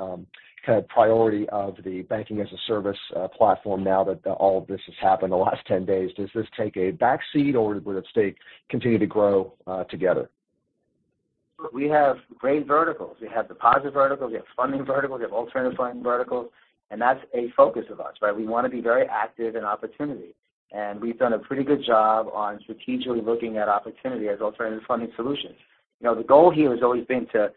kind of priority of the banking-as-a-service platform now that all of this has happened the last 10 days? Does this take a back seat or will it continue to grow together? We have great verticals. We have deposit verticals. We have funding verticals. We have alternative funding verticals. That's a focus of ours, right? We wanna be very active in opportunity, and we've done a pretty good job on strategically looking at opportunity as alternative funding solutions. You know, the goal here has always been to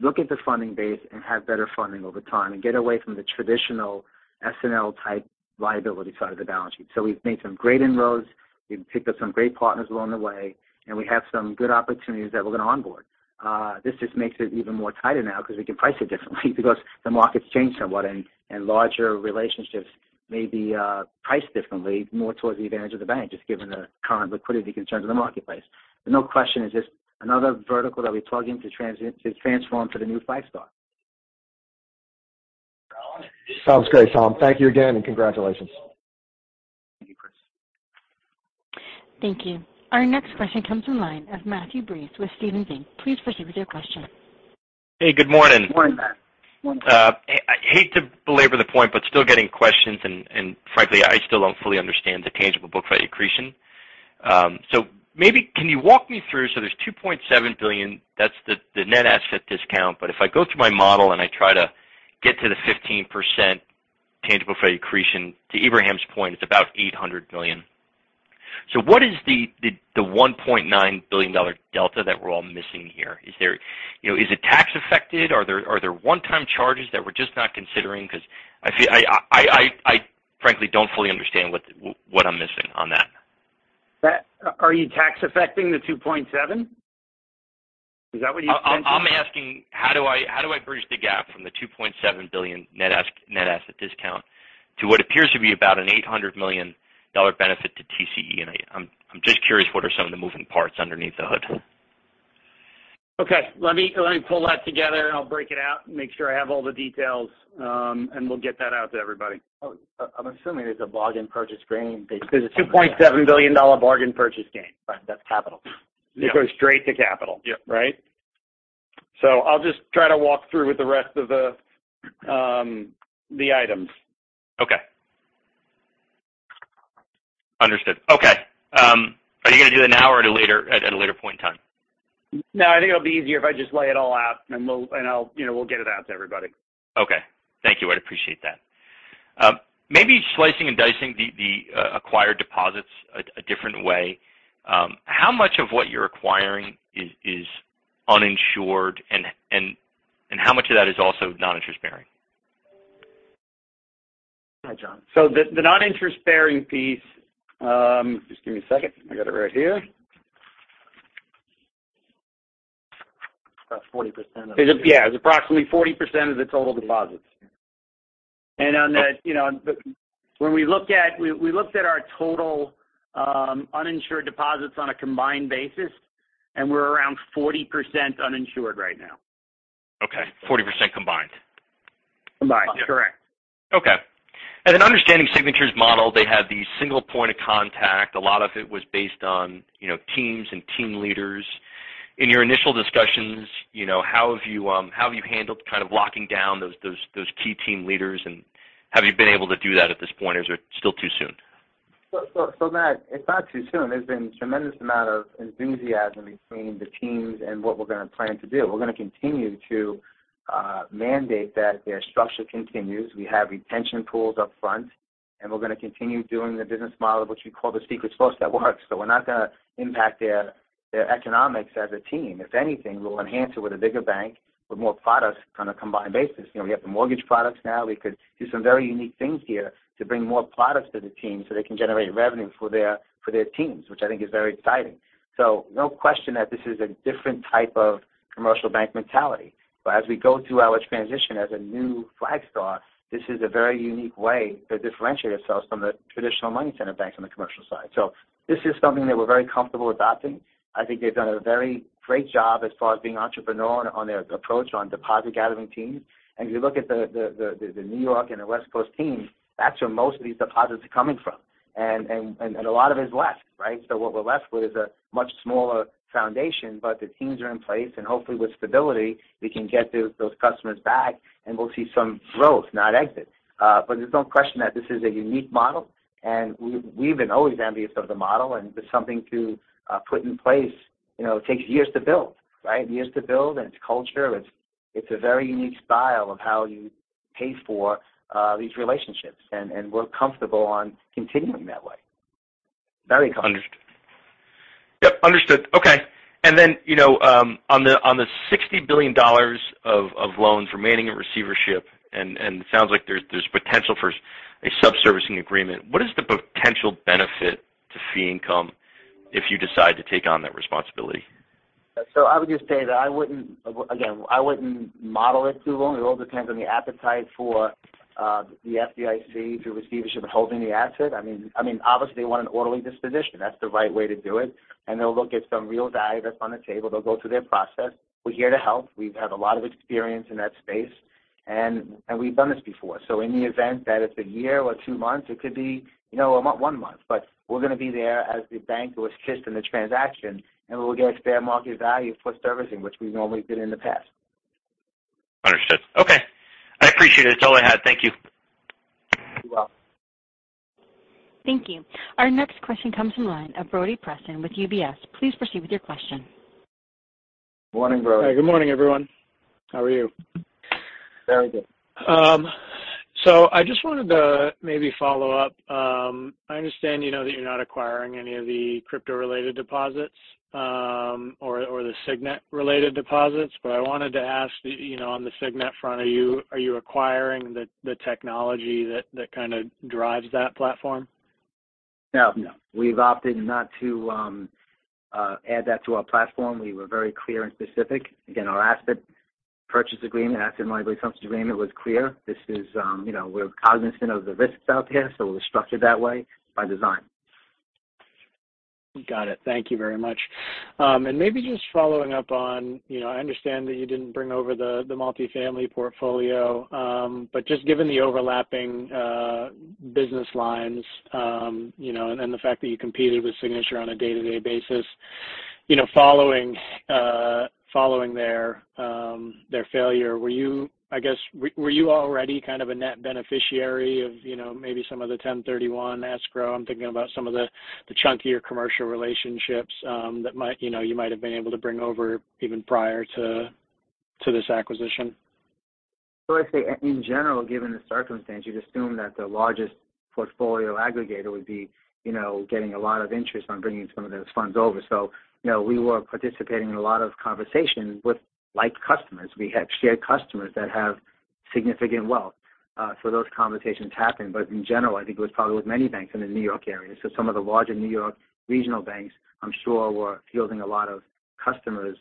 look at the funding base and have better funding over time and get away from the traditional S&L type liability side of the balance sheet. We've made some great inroads. We've picked up some great partners along the way. We have some good opportunities that we're gonna onboard. This just makes it even more tighter now because we can price it differently because the market's changed somewhat and larger relationships may be priced differently more towards the advantage of the bank, just given the current liquidity concerns in the marketplace. No question, it's just another vertical that we plug in to transform to the new Flagstar. Sounds great, Tom. Thank you again and congratulations. Thank you, Chris. Thank you. Our next question comes from line of Matthew Breese with Stephens Inc. Please proceed with your question. Hey, good morning. Morning, Matt. Morning. I hate to belabor the point, still getting questions and frankly, I still don't fully understand the tangible book value accretion. Maybe can you walk me through? There's $2.7 billion, that's the net asset discount. If I go through my model and I try to get to the 15% tangible book accretion, to Abraham's point, it's about $800 million. What is the $1.9 billion delta that we're all missing here? You know, is it tax affected? Are there one-time charges that we're just not considering? I frankly don't fully understand what I'm missing on that. Are you tax affecting the 2.7? Is that what you're saying? I'm asking how do I bridge the gap from the $2.7 billion net asset discount to what appears to be about an $800 million benefit to TCE? I'm just curious, what are some of the moving parts underneath the hood? Okay. Let me pull that together. I'll break it out and make sure I have all the details. We'll get that out to everybody. Oh, I'm assuming there's a bargain purchase gain. There's a $2.7 billion bargain purchase gain. Right. That's capital. It goes straight to capital. Yep. Right. I'll just try to walk through with the rest of the items. Okay. Understood. Okay. Are you gonna do that now or at a later point in time? No, I think it'll be easier if I just lay it all out and I'll, you know, we'll get it out to everybody. Okay. Thank you. I'd appreciate that. Maybe slicing and dicing the acquired deposits a different way. How much of what you're acquiring is uninsured and how much of that is also non-interest bearing? Hi, John. The non-interest bearing piece, just give me a second. I got it right here. It's about 40%. Yeah. Is approximately 40% of the total deposits. On that, you know, When we looked at we looked at our total uninsured deposits on a combined basis, we're around 40% uninsured right now. Okay. 40% combined. Combined. Yes. Correct. Okay. In understanding Signature's model, they had the single point of contact. A lot of it was based on, you know, teams and team leaders. In your initial discussions, you know, how have you, how have you handled kind of locking down those key team leaders? Have you been able to do that at this point, or is it still too soon? Matt, it's not too soon. There's been tremendous amount of enthusiasm between the teams and what we're gonna plan to do. We're gonna continue to mandate that their structure continues. We have retention pools up front, and we're gonna continue doing the business model of what you call the secret sauce that works. We're not gonna impact their economics as a team. If anything, we'll enhance it with a bigger bank with more products on a combined basis. You know, we have the mortgage products now. We could do some very unique things here to bring more products to the team so they can generate revenue for their teams, which I think is very exciting. No question that this is a different type of commercial bank mentality. As we go through our transition as a new Flagstar, this is a very unique way to differentiate ourselves from the traditional money center banks on the commercial side. This is something that we're very comfortable adopting. I think they've done a very great job as far as being entrepreneurial on their approach on deposit gathering teams. If you look at the New York and the West Coast teams, that's where most of these deposits are coming from. A lot of it is less, right? What we're left with is a much smaller foundation, but the teams are in place, and hopefully with stability, we can get those customers back, and we'll see some growth, not exit. There's no question that this is a unique model. We've been always envious of the model, and it's something to put in place. You know, it takes years to build, right? Years to build, and it's culture. It's a very unique style of how you pay for these relationships. We're comfortable on continuing that way. Very comfortable. Understood. Yep, understood. Okay. Then, you know, on the $60 billion of loans remaining in receivership, and it sounds like there's potential for a sub-servicing agreement. What is the potential benefit to fee income if you decide to take on that responsibility? I would just say that, again, I wouldn't model it too long. It all depends on the appetite for the FDIC through receivership holding the asset. I mean, obviously they want an orderly disposition. That's the right way to do it. They'll look at some real value that's on the table. They'll go through their process. We're here to help. We've had a lot of experience in that space, and we've done this before. In the event that it's a year or 2 months, it could be, you know, 1 month. We're gonna be there as the bank was kissed in the transaction, and we'll get fair market value for servicing, which we've normally did in the past. Understood. Okay. I appreciate it. That's all I had. Thank you. You're welcome. Thank you. Our next question comes from line of Brody Preston with UBS. Please proceed with your question. Morning, Brody. Good morning, everyone. How are you? Very good. I just wanted to maybe follow up. I understand, you know, that you're not acquiring any of the crypto-related deposits, or the Signet-related deposits, but I wanted to ask, you know, on the Signet front, are you acquiring the technology that kinda drives that platform? No. We've opted not to add that to our platform. We were very clear and specific. Again, our asset purchase agreement, asset and liability assumption agreement was clear. This is... you know, we're cognizant of the risks out there, so we're structured that way by design. Got it. Thank you very much. Maybe just following up on, you know, I understand that you didn't bring over the multifamily portfolio, just given the overlapping business lines, you know, the fact that you competed with Signature on a day-to-day basis, you know, following their failure, I guess, were you already kind of a net beneficiary of, you know, maybe some of the 1031 escrow? I'm thinking about some of the chunkier commercial relationships, that might, you know, you might have been able to bring over even prior to this acquisition. I'd say in general, given the circumstance, you'd assume that the largest portfolio aggregator would be, you know, getting a lot of interest on bringing some of those funds over. You know, we were participating in a lot of conversations with like customers. We have shared customers that have significant wealth, so those conversations happened. In general, I think it was probably with many banks in the New York area. Some of the larger New York regional banks I'm sure were fielding a lot of customers,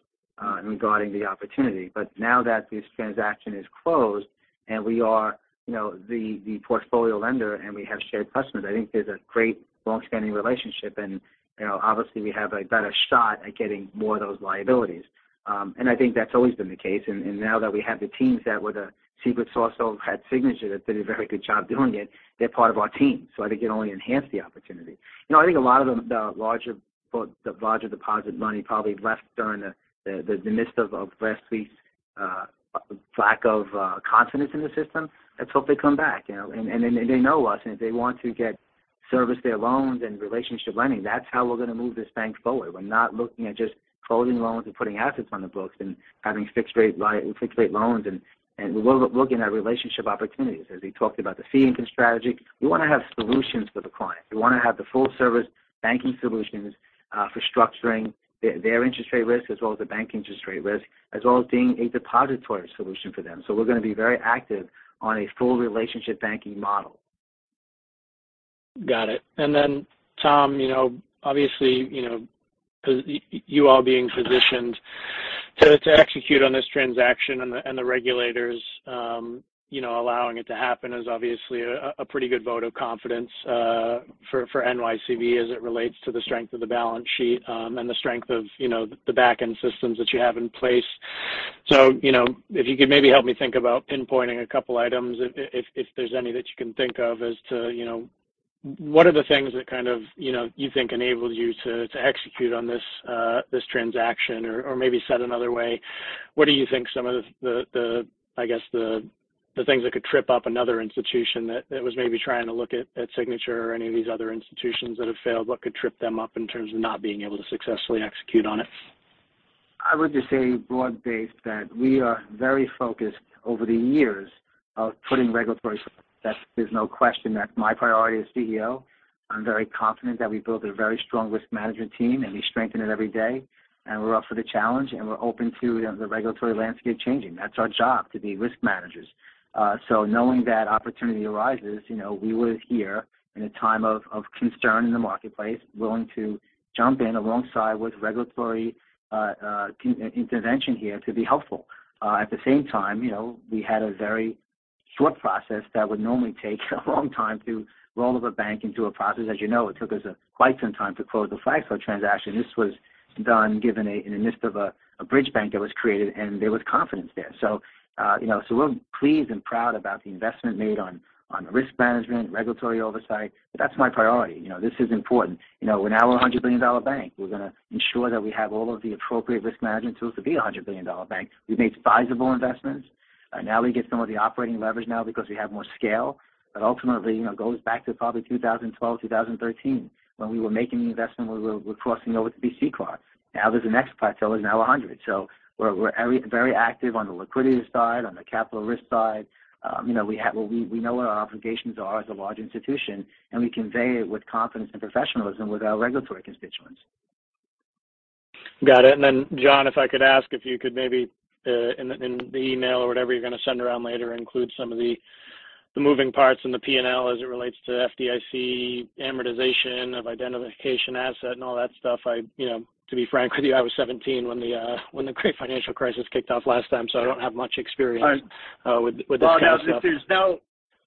regarding the opportunity. Now that this transaction is closed and we are, you know, the portfolio lender and we have shared customers, I think there's a great long-standing relationship and, you know, obviously we have a better shot at getting more of those liabilities. I think that's always been the case. Now that we have the teams that were the secret sauce that had Signature that did a very good job doing it, they're part of our team. I think it only enhanced the opportunity. You know, I think a lot of the larger deposit money probably left during the midst of last week's lack of confidence in the system. Let's hope they come back, you know. They know us, and if they want to get service their loans and relationship lending, that's how we're gonna move this bank forward. We're not looking at just closing loans and putting assets on the books and having fixed rate loans and we're looking at relationship opportunities. As we talked about the fee income strategy, we wanna have solutions for the client. We wanna have the full service banking solutions, for structuring their interest rate risk, as well as the bank interest rate risk, as well as being a depository solution for them. We're gonna be very active on a full relationship banking model. Got it. Tom, you know, obviously, you know, you all being positioned to execute on this transaction and the regulators, you know, allowing it to happen is obviously a pretty good vote of confidence for NYCB as it relates to the strength of the balance sheet, and the strength of, you know, the backend systems that you have in place. If you could maybe help me think about pinpointing a couple items if there's any that you can think of as to, you know, what are the things that kind of, you know, you think enabled you to execute on this transaction? Maybe said another way, what do you think some of the, I guess the things that was maybe trying to look at Signature or any of these other institutions that have failed, what could trip them up in terms of not being able to successfully execute on it? I would just say broad-based that we are very focused over the years of putting regulatory. There's no question that's my priority as CEO. I'm very confident that we built a very strong risk management team, and we strengthen it every day, and we're up for the challenge, and we're open to the regulatory landscape changing. That's our job, to be risk managers. Knowing that opportunity arises, you know, we were here in a time of concern in the marketplace, willing to jump in alongside with regulatory intervention here to be helpful. At the same time, you know, we had a very short process that would normally take a long time to roll up a bank into a process. As you know, it took us quite some time to close the Flagstar transaction. This was done given in the midst of a bridge bank that was created. There was confidence there. You know, we're pleased and proud about the investment made on risk management, regulatory oversight. That's my priority. You know, this is important. You know, we're now a $100 billion bank. We're gonna ensure that we have all of the appropriate risk management tools to be a $100 billion bank. We've made sizable investments. We get some of the operating leverage now because we have more scale. Ultimately, you know, it goes back to probably 2012, 2013 when we were making the investment, we're crossing over the BC cards. There's a next plateau is now 100. We're very active on the liquidity side, on the capital risk side. you know, we know what our obligations are as a large institution. We convey it with confidence and professionalism with our regulatory constituents. Got it. John, if I could ask if you could maybe in the email or whatever you're going to send around later include some of the moving parts in the P&L as it relates to FDIC amortization of indemnification asset and all that stuff. I, you know, to be frank with you, I was 17 when the great financial crisis kicked off last time. I don't have much experience with this kind of stuff. Well, no.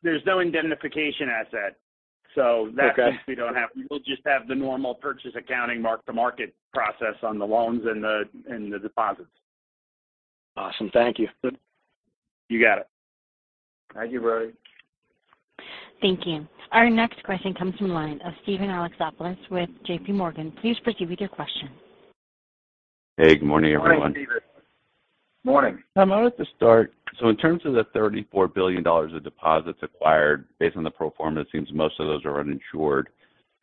There's no indemnification asset. Okay. That piece we don't have. We will just have the normal purchase accounting mark-to-market process on the loans and the deposits. Awesome. Thank you. You got it. Thank you, Brody. Thank you. Our next question comes from the line of Steven Alexopoulos with JPMorgan. Please proceed with your question. Hey, good morning everyone. Good morning, Steven. Morning. Tom, I wanted to start. In terms of the $34 billion of deposits acquired based on the pro forma, it seems most of those are uninsured.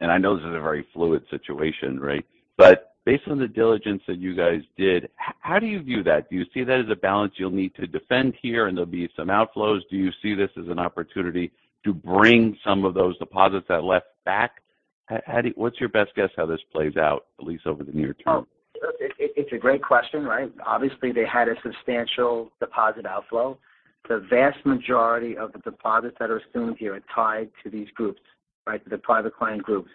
I know this is a very fluid situation, right? Based on the diligence that you guys did, how do you view that? Do you see that as a balance you'll need to defend here and there'll be some outflows? Do you see this as an opportunity to bring some of those deposits that left back? What's your best guess how this plays out, at least over the near term? It's a great question, right? Obviously, they had a substantial deposit outflow. The vast majority of the deposits that are assumed here are tied to these groups, right? The private client groups.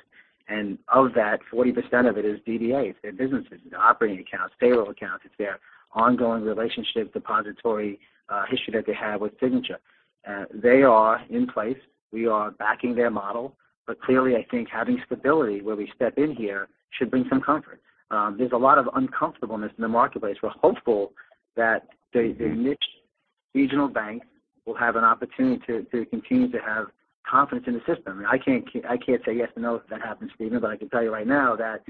Of that, 40% of it is DDAs. They're businesses, operating accounts, payroll accounts. It's their ongoing relationship depository history that they have with Signature. They are in place. We are backing their model. Clearly, I think having stability where we step in here should bring some comfort. There's a lot of uncomfortableness in the marketplace. We're hopeful that the niche regional bank will have an opportunity to continue to have confidence in the system. I can't say yes or no if that happens, Steven, I can tell you right now that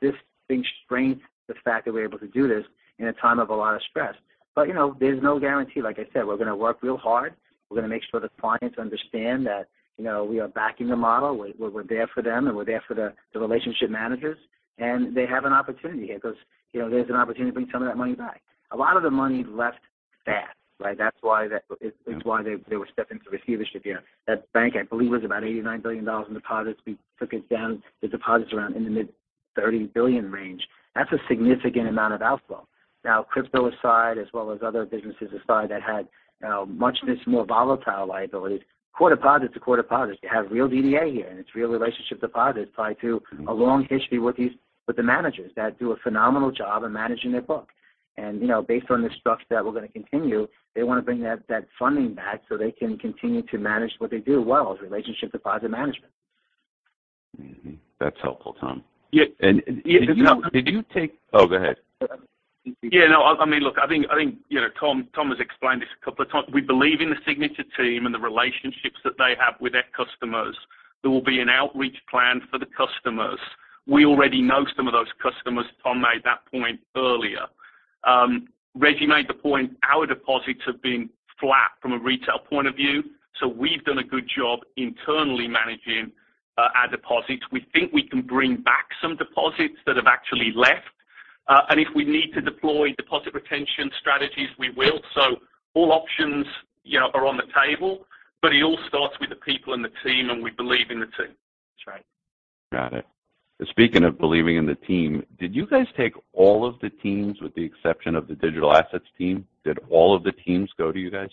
this thing strengthens the fact that we're able to do this in a time of a lot of stress. You know, there's no guarantee. Like I said, we're going to work real hard. We're going to make sure the clients understand that, you know, we are backing the model. We're there for them, and we're there for the relationship managers. They have an opportunity here because, you know, there's an opportunity to bring some of that money back. A lot of the money left fast, right? That's why it's why they were stepping into receivership here. That bank, I believe, was about $89 billion in deposits. We took it down the deposits around in the mid $30 billion range. That's a significant amount of outflow. Crypto aside, as well as other businesses aside that had much of this more volatile liabilities, core deposits are core deposits. You have real DDA here, and it's real relationship deposits tied to a long history with the managers that do a phenomenal job of managing their book. You know, based on the structure that we're going to continue, they want to bring that funding back so they can continue to manage what they do well, is relationship deposit management. Mm-hmm. That's helpful, Tom. Yeah. Did you? Oh, go ahead. Yeah, no. I mean, look, I think, you know, Tom has explained this a couple of times. We believe in the Signature team and the relationships that they have with their customers. There will be an outreach plan for the customers. We already know some of those customers. Tom made that point earlier. Reggie made the point our deposits have been flat from a retail point of view. We've done a good job internally managing our deposits. We think we can bring back some deposits that have actually left. And if we need to deploy deposit retention strategies, we will. All options, you know, are on the table, but it all starts with the people and the team, and we believe in the team. That's right. Got it. Speaking of believing in the team, did you guys take all of the teams with the exception of the digital assets team? Did all of the teams go to you guys?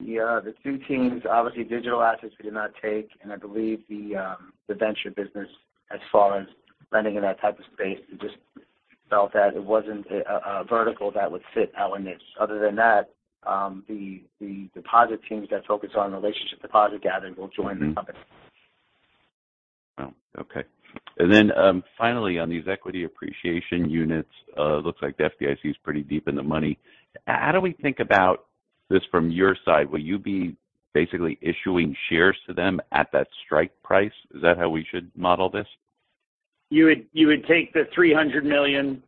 Yeah. The two teams, obviously, digital assets we did not take. I believe the venture business as far as lending in that type of space, we just felt that it wasn't a vertical that would fit our niche. Other than that, the deposit teams that focus on relationship deposit gathering will join the company. Okay. Finally on these equity appreciation units, looks like the FDIC is pretty deep in the money. How do we think about this from your side? Will you be basically issuing shares to them at that strike price? Is that how we should model this? You would take the $300 million,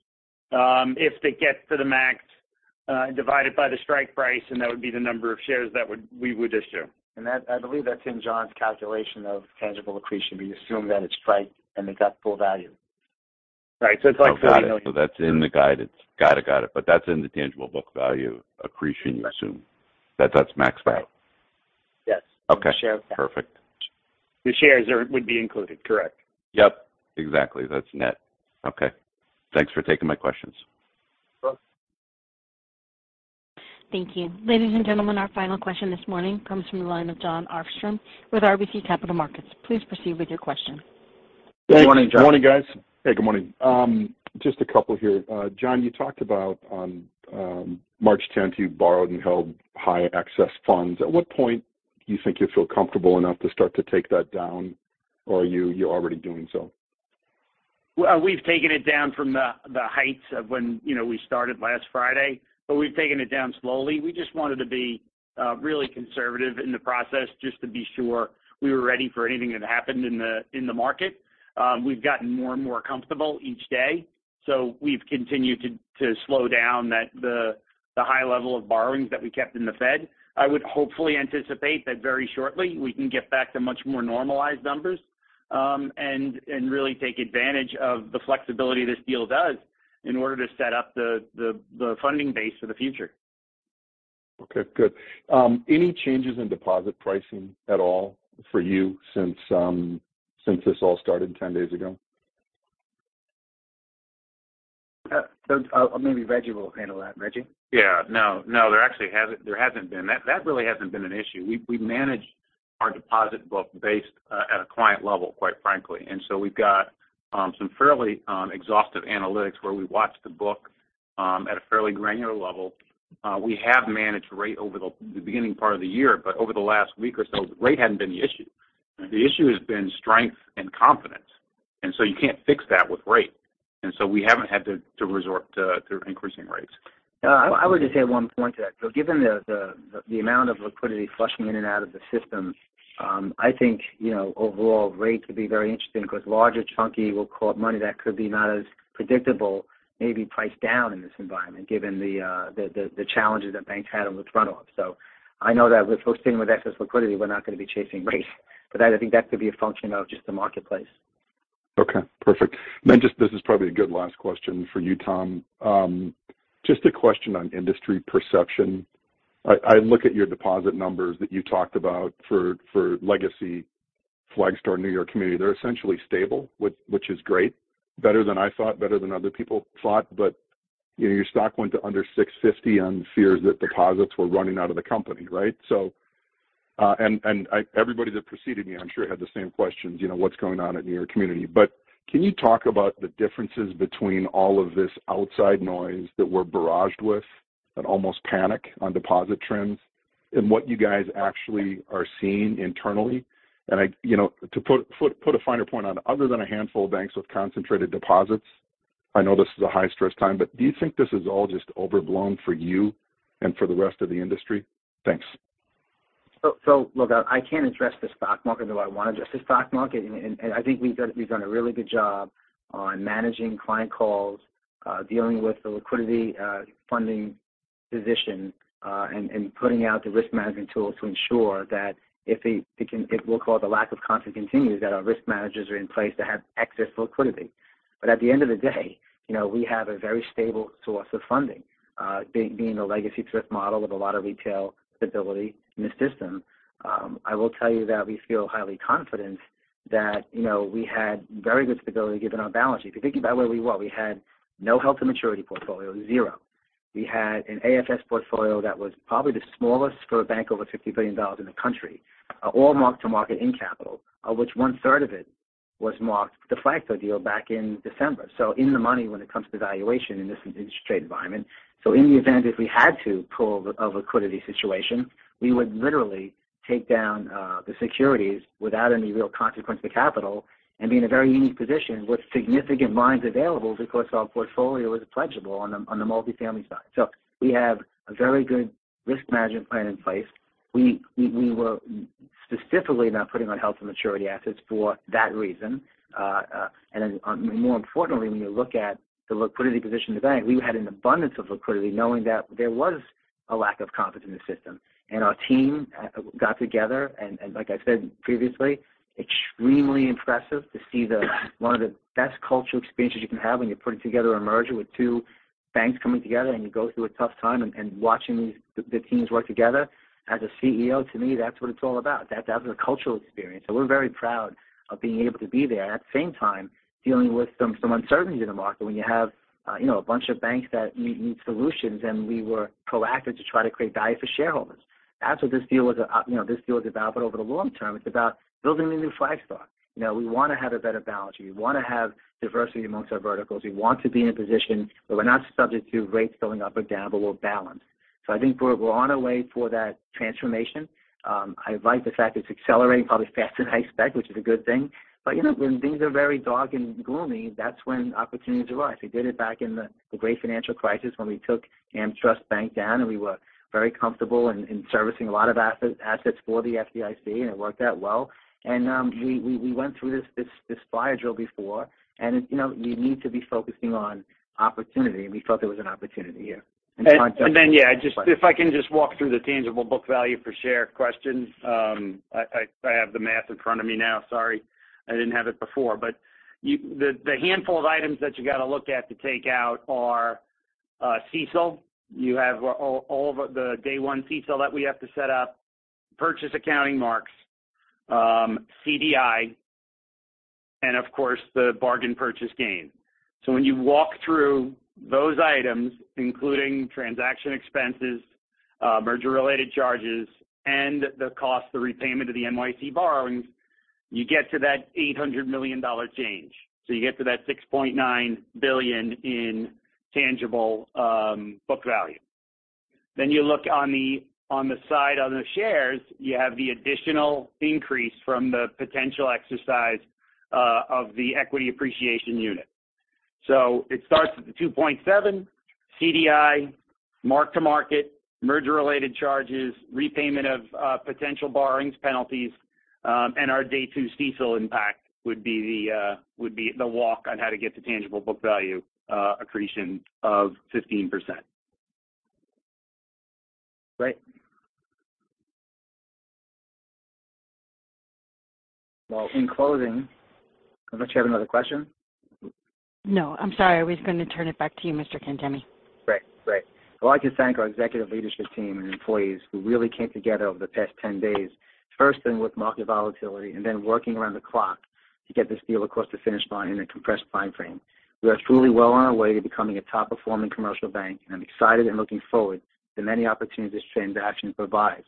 if it gets to the max, divided by the strike price, and that would be the number of shares that we would issue. I believe that's in John's calculation of tangible accretion. We assume that it's strike, and they've got full value. Right. Oh, got it. That's in the guidance. Got it, got it. That's in the tangible book value accretion, you assume. That's maxed out. Yes. Okay. The share. Perfect. The shares would be included, correct. Yep, exactly. That's net. Okay. Thanks for taking my questions. No problem. Thank you. Ladies and gentlemen, our final question this morning comes from the line of Jon Arfstrom with RBC Capital Markets. Please proceed with your question. Good morning, Jon. Good morning, guys. Hey, good morning. Just a couple here. John, you talked about on March 10th, you borrowed and held high excess funds. At what point do you think you feel comfortable enough to start to take that down or you're already doing so? Well, we've taken it down from the heights of when, you know, we started last Friday, but we've taken it down slowly. We just wanted to be really conservative in the process just to be sure we were ready for anything that happened in the market. We've gotten more and more comfortable each day, so we've continued to slow down that the high level of borrowings that we kept in the Fed. I would hopefully anticipate that very shortly, we can get back to much more normalized numbers, and really take advantage of the flexibility this deal does in order to set up the funding base for the future. Okay, good. Any changes in deposit pricing at all for you since this all started 10 days ago? Maybe Reggie will handle that. Reggie? Yeah. No, there hasn't been. That really hasn't been an issue. We manage our deposit book based at a client level, quite frankly. We've got some fairly exhaustive analytics where we watch the book at a fairly granular level. We have managed rate over the beginning part of the year. Over the last week or so, rate hadn't been the issue. The issue has been strength and confidence, you can't fix that with rate. We haven't had to resort to increasing rates. I would just add one point to that. Given the amount of liquidity flushing in and out of the system, I think, you know, overall rates would be very interesting because larger chunky will call it money that could be not as predictable, maybe priced down in this environment given the challenges that banks had on the front of them. I know that with sticking with excess liquidity, we're not gonna be chasing rates. That I think that could be a function of just the marketplace. Okay. Perfect. Just this is probably a good last question for you, Tom. Just a question on industry perception. I look at your deposit numbers that you talked about for legacy Flagstar New York Community. They're essentially stable, which is great, better than I thought, better than other people thought. You know, your stock went to under $6.50 on fears that deposits were running out of the company, right? Everybody that preceded me, I'm sure, had the same questions. You know, what's going on at New York Community? Can you talk about the differences between all of this outside noise that we're barraged with, and almost panic on deposit trends and what you guys actually are seeing internally. I... You know, to put a finer point on other than a handful of banks with concentrated deposits, I know this is a high-stress time, but do you think this is all just overblown for you and for the rest of the industry? Thanks. Look, I can't address the stock market, do I wanna address the stock market? I think we've done a really good job on managing client calls, dealing with the liquidity, funding position, and putting out the risk management tools to ensure that if the we'll call it the lack of confidence continues, that our risk managers are in place to have excess liquidity. At the end of the day, you know, we have a very stable source of funding, being a legacy thrift model with a lot of retail stability in the system. I will tell you that we feel highly confident that, you know, we had very good stability given our balance sheet. If you think about where we were, we had no held-to-maturity portfolio, zero. We had an AFS portfolio that was probably the smallest for a bank over $50 billion in the country, all mark-to-market in capital, of which one-third of it was marked with the Flagstar deal back in December. In the money when it comes to valuation in this interest rate environment. In the event if we had to pull a liquidity situation, we would literally take down the securities without any real consequence to capital and be in a very unique position with significant lines available because our portfolio is pledgeable on the multifamily side. We have a very good risk management plan in place. We were specifically not putting on held-to-maturity assets for that reason. Then, more importantly, when you look at the liquidity position of the bank, we had an abundance of liquidity knowing that there was a lack of confidence in the system. Our team got together, and like I said previously, extremely impressive to see one of the best cultural experiences you can have when you're putting together a merger with two banks coming together and you go through a tough time and watching these teams work together. As a CEO, to me, that's what it's all about. That was a cultural experience. We're very proud of being able to be there. At the same time, dealing with some uncertainty in the market when you have, you know, a bunch of banks that need solutions, we were proactive to try to create value for shareholders. That's what this deal was, you know, this deal is about. Over the long term, it's about building the new Flagstar. You know, we wanna have a better balance sheet. We wanna have diversity amongst our verticals. We want to be in a position where we're not subject to rates going up or down, but we're balanced. I think we're on our way for that transformation. I like the fact it's accelerating probably faster than I expect, which is a good thing. You know, when things are very dark and gloomy, that's when opportunities arise. We did it back in the great financial crisis when we took AmTrust Bank down, and we were very comfortable in servicing a lot of assets for the FDIC, and it worked out well. We went through this fire drill before and, you know, you need to be focusing on opportunity, and we felt there was an opportunity here. If I can just walk through the tangible book value for share questions. I have the math in front of me now. Sorry, I didn't have it before. The handful of items that you gotta look at to take out are CECL. You have all the day one CECL that we have to set up, purchase accounting marks, CDI, and of course, the bargain purchase gain. When you walk through those items, including transaction expenses, merger-related charges, and the cost of repayment of the NYC borrowings, you get to that $800 million change. You get to that $6.9 billion in tangible book value. You look on the, on the side, on the shares, you have the additional increase from the potential exercise of the equity appreciation unit. So it starts at the 2.7 CDI mark-to-market, merger related charges, repayment of potential borrowings, penalties, and our day two CECL impact would be the would be the walk on how to get to tangible book value accretion of 15%. Great. Well, in closing. Unless you have another question. No. I'm sorry. I was gonna turn it back to you, Mr. Cangemi. Great. Great. I'd like to thank our executive leadership team and employees who really came together over the past 10 days, first in with market volatility and then working around the clock to get this deal across the finish line in a compressed time frame. We are truly well on our way to becoming a top-performing commercial bank, and I'm excited and looking forward to the many opportunities this transaction provides.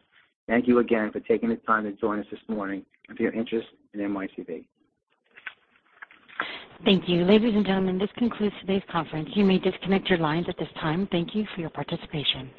Thank you again for taking the time to join us this morning and for your interest in NYCB. Thank you. Ladies and gentlemen, this concludes today's conference. You may disconnect your lines at this time. Thank you for your participation.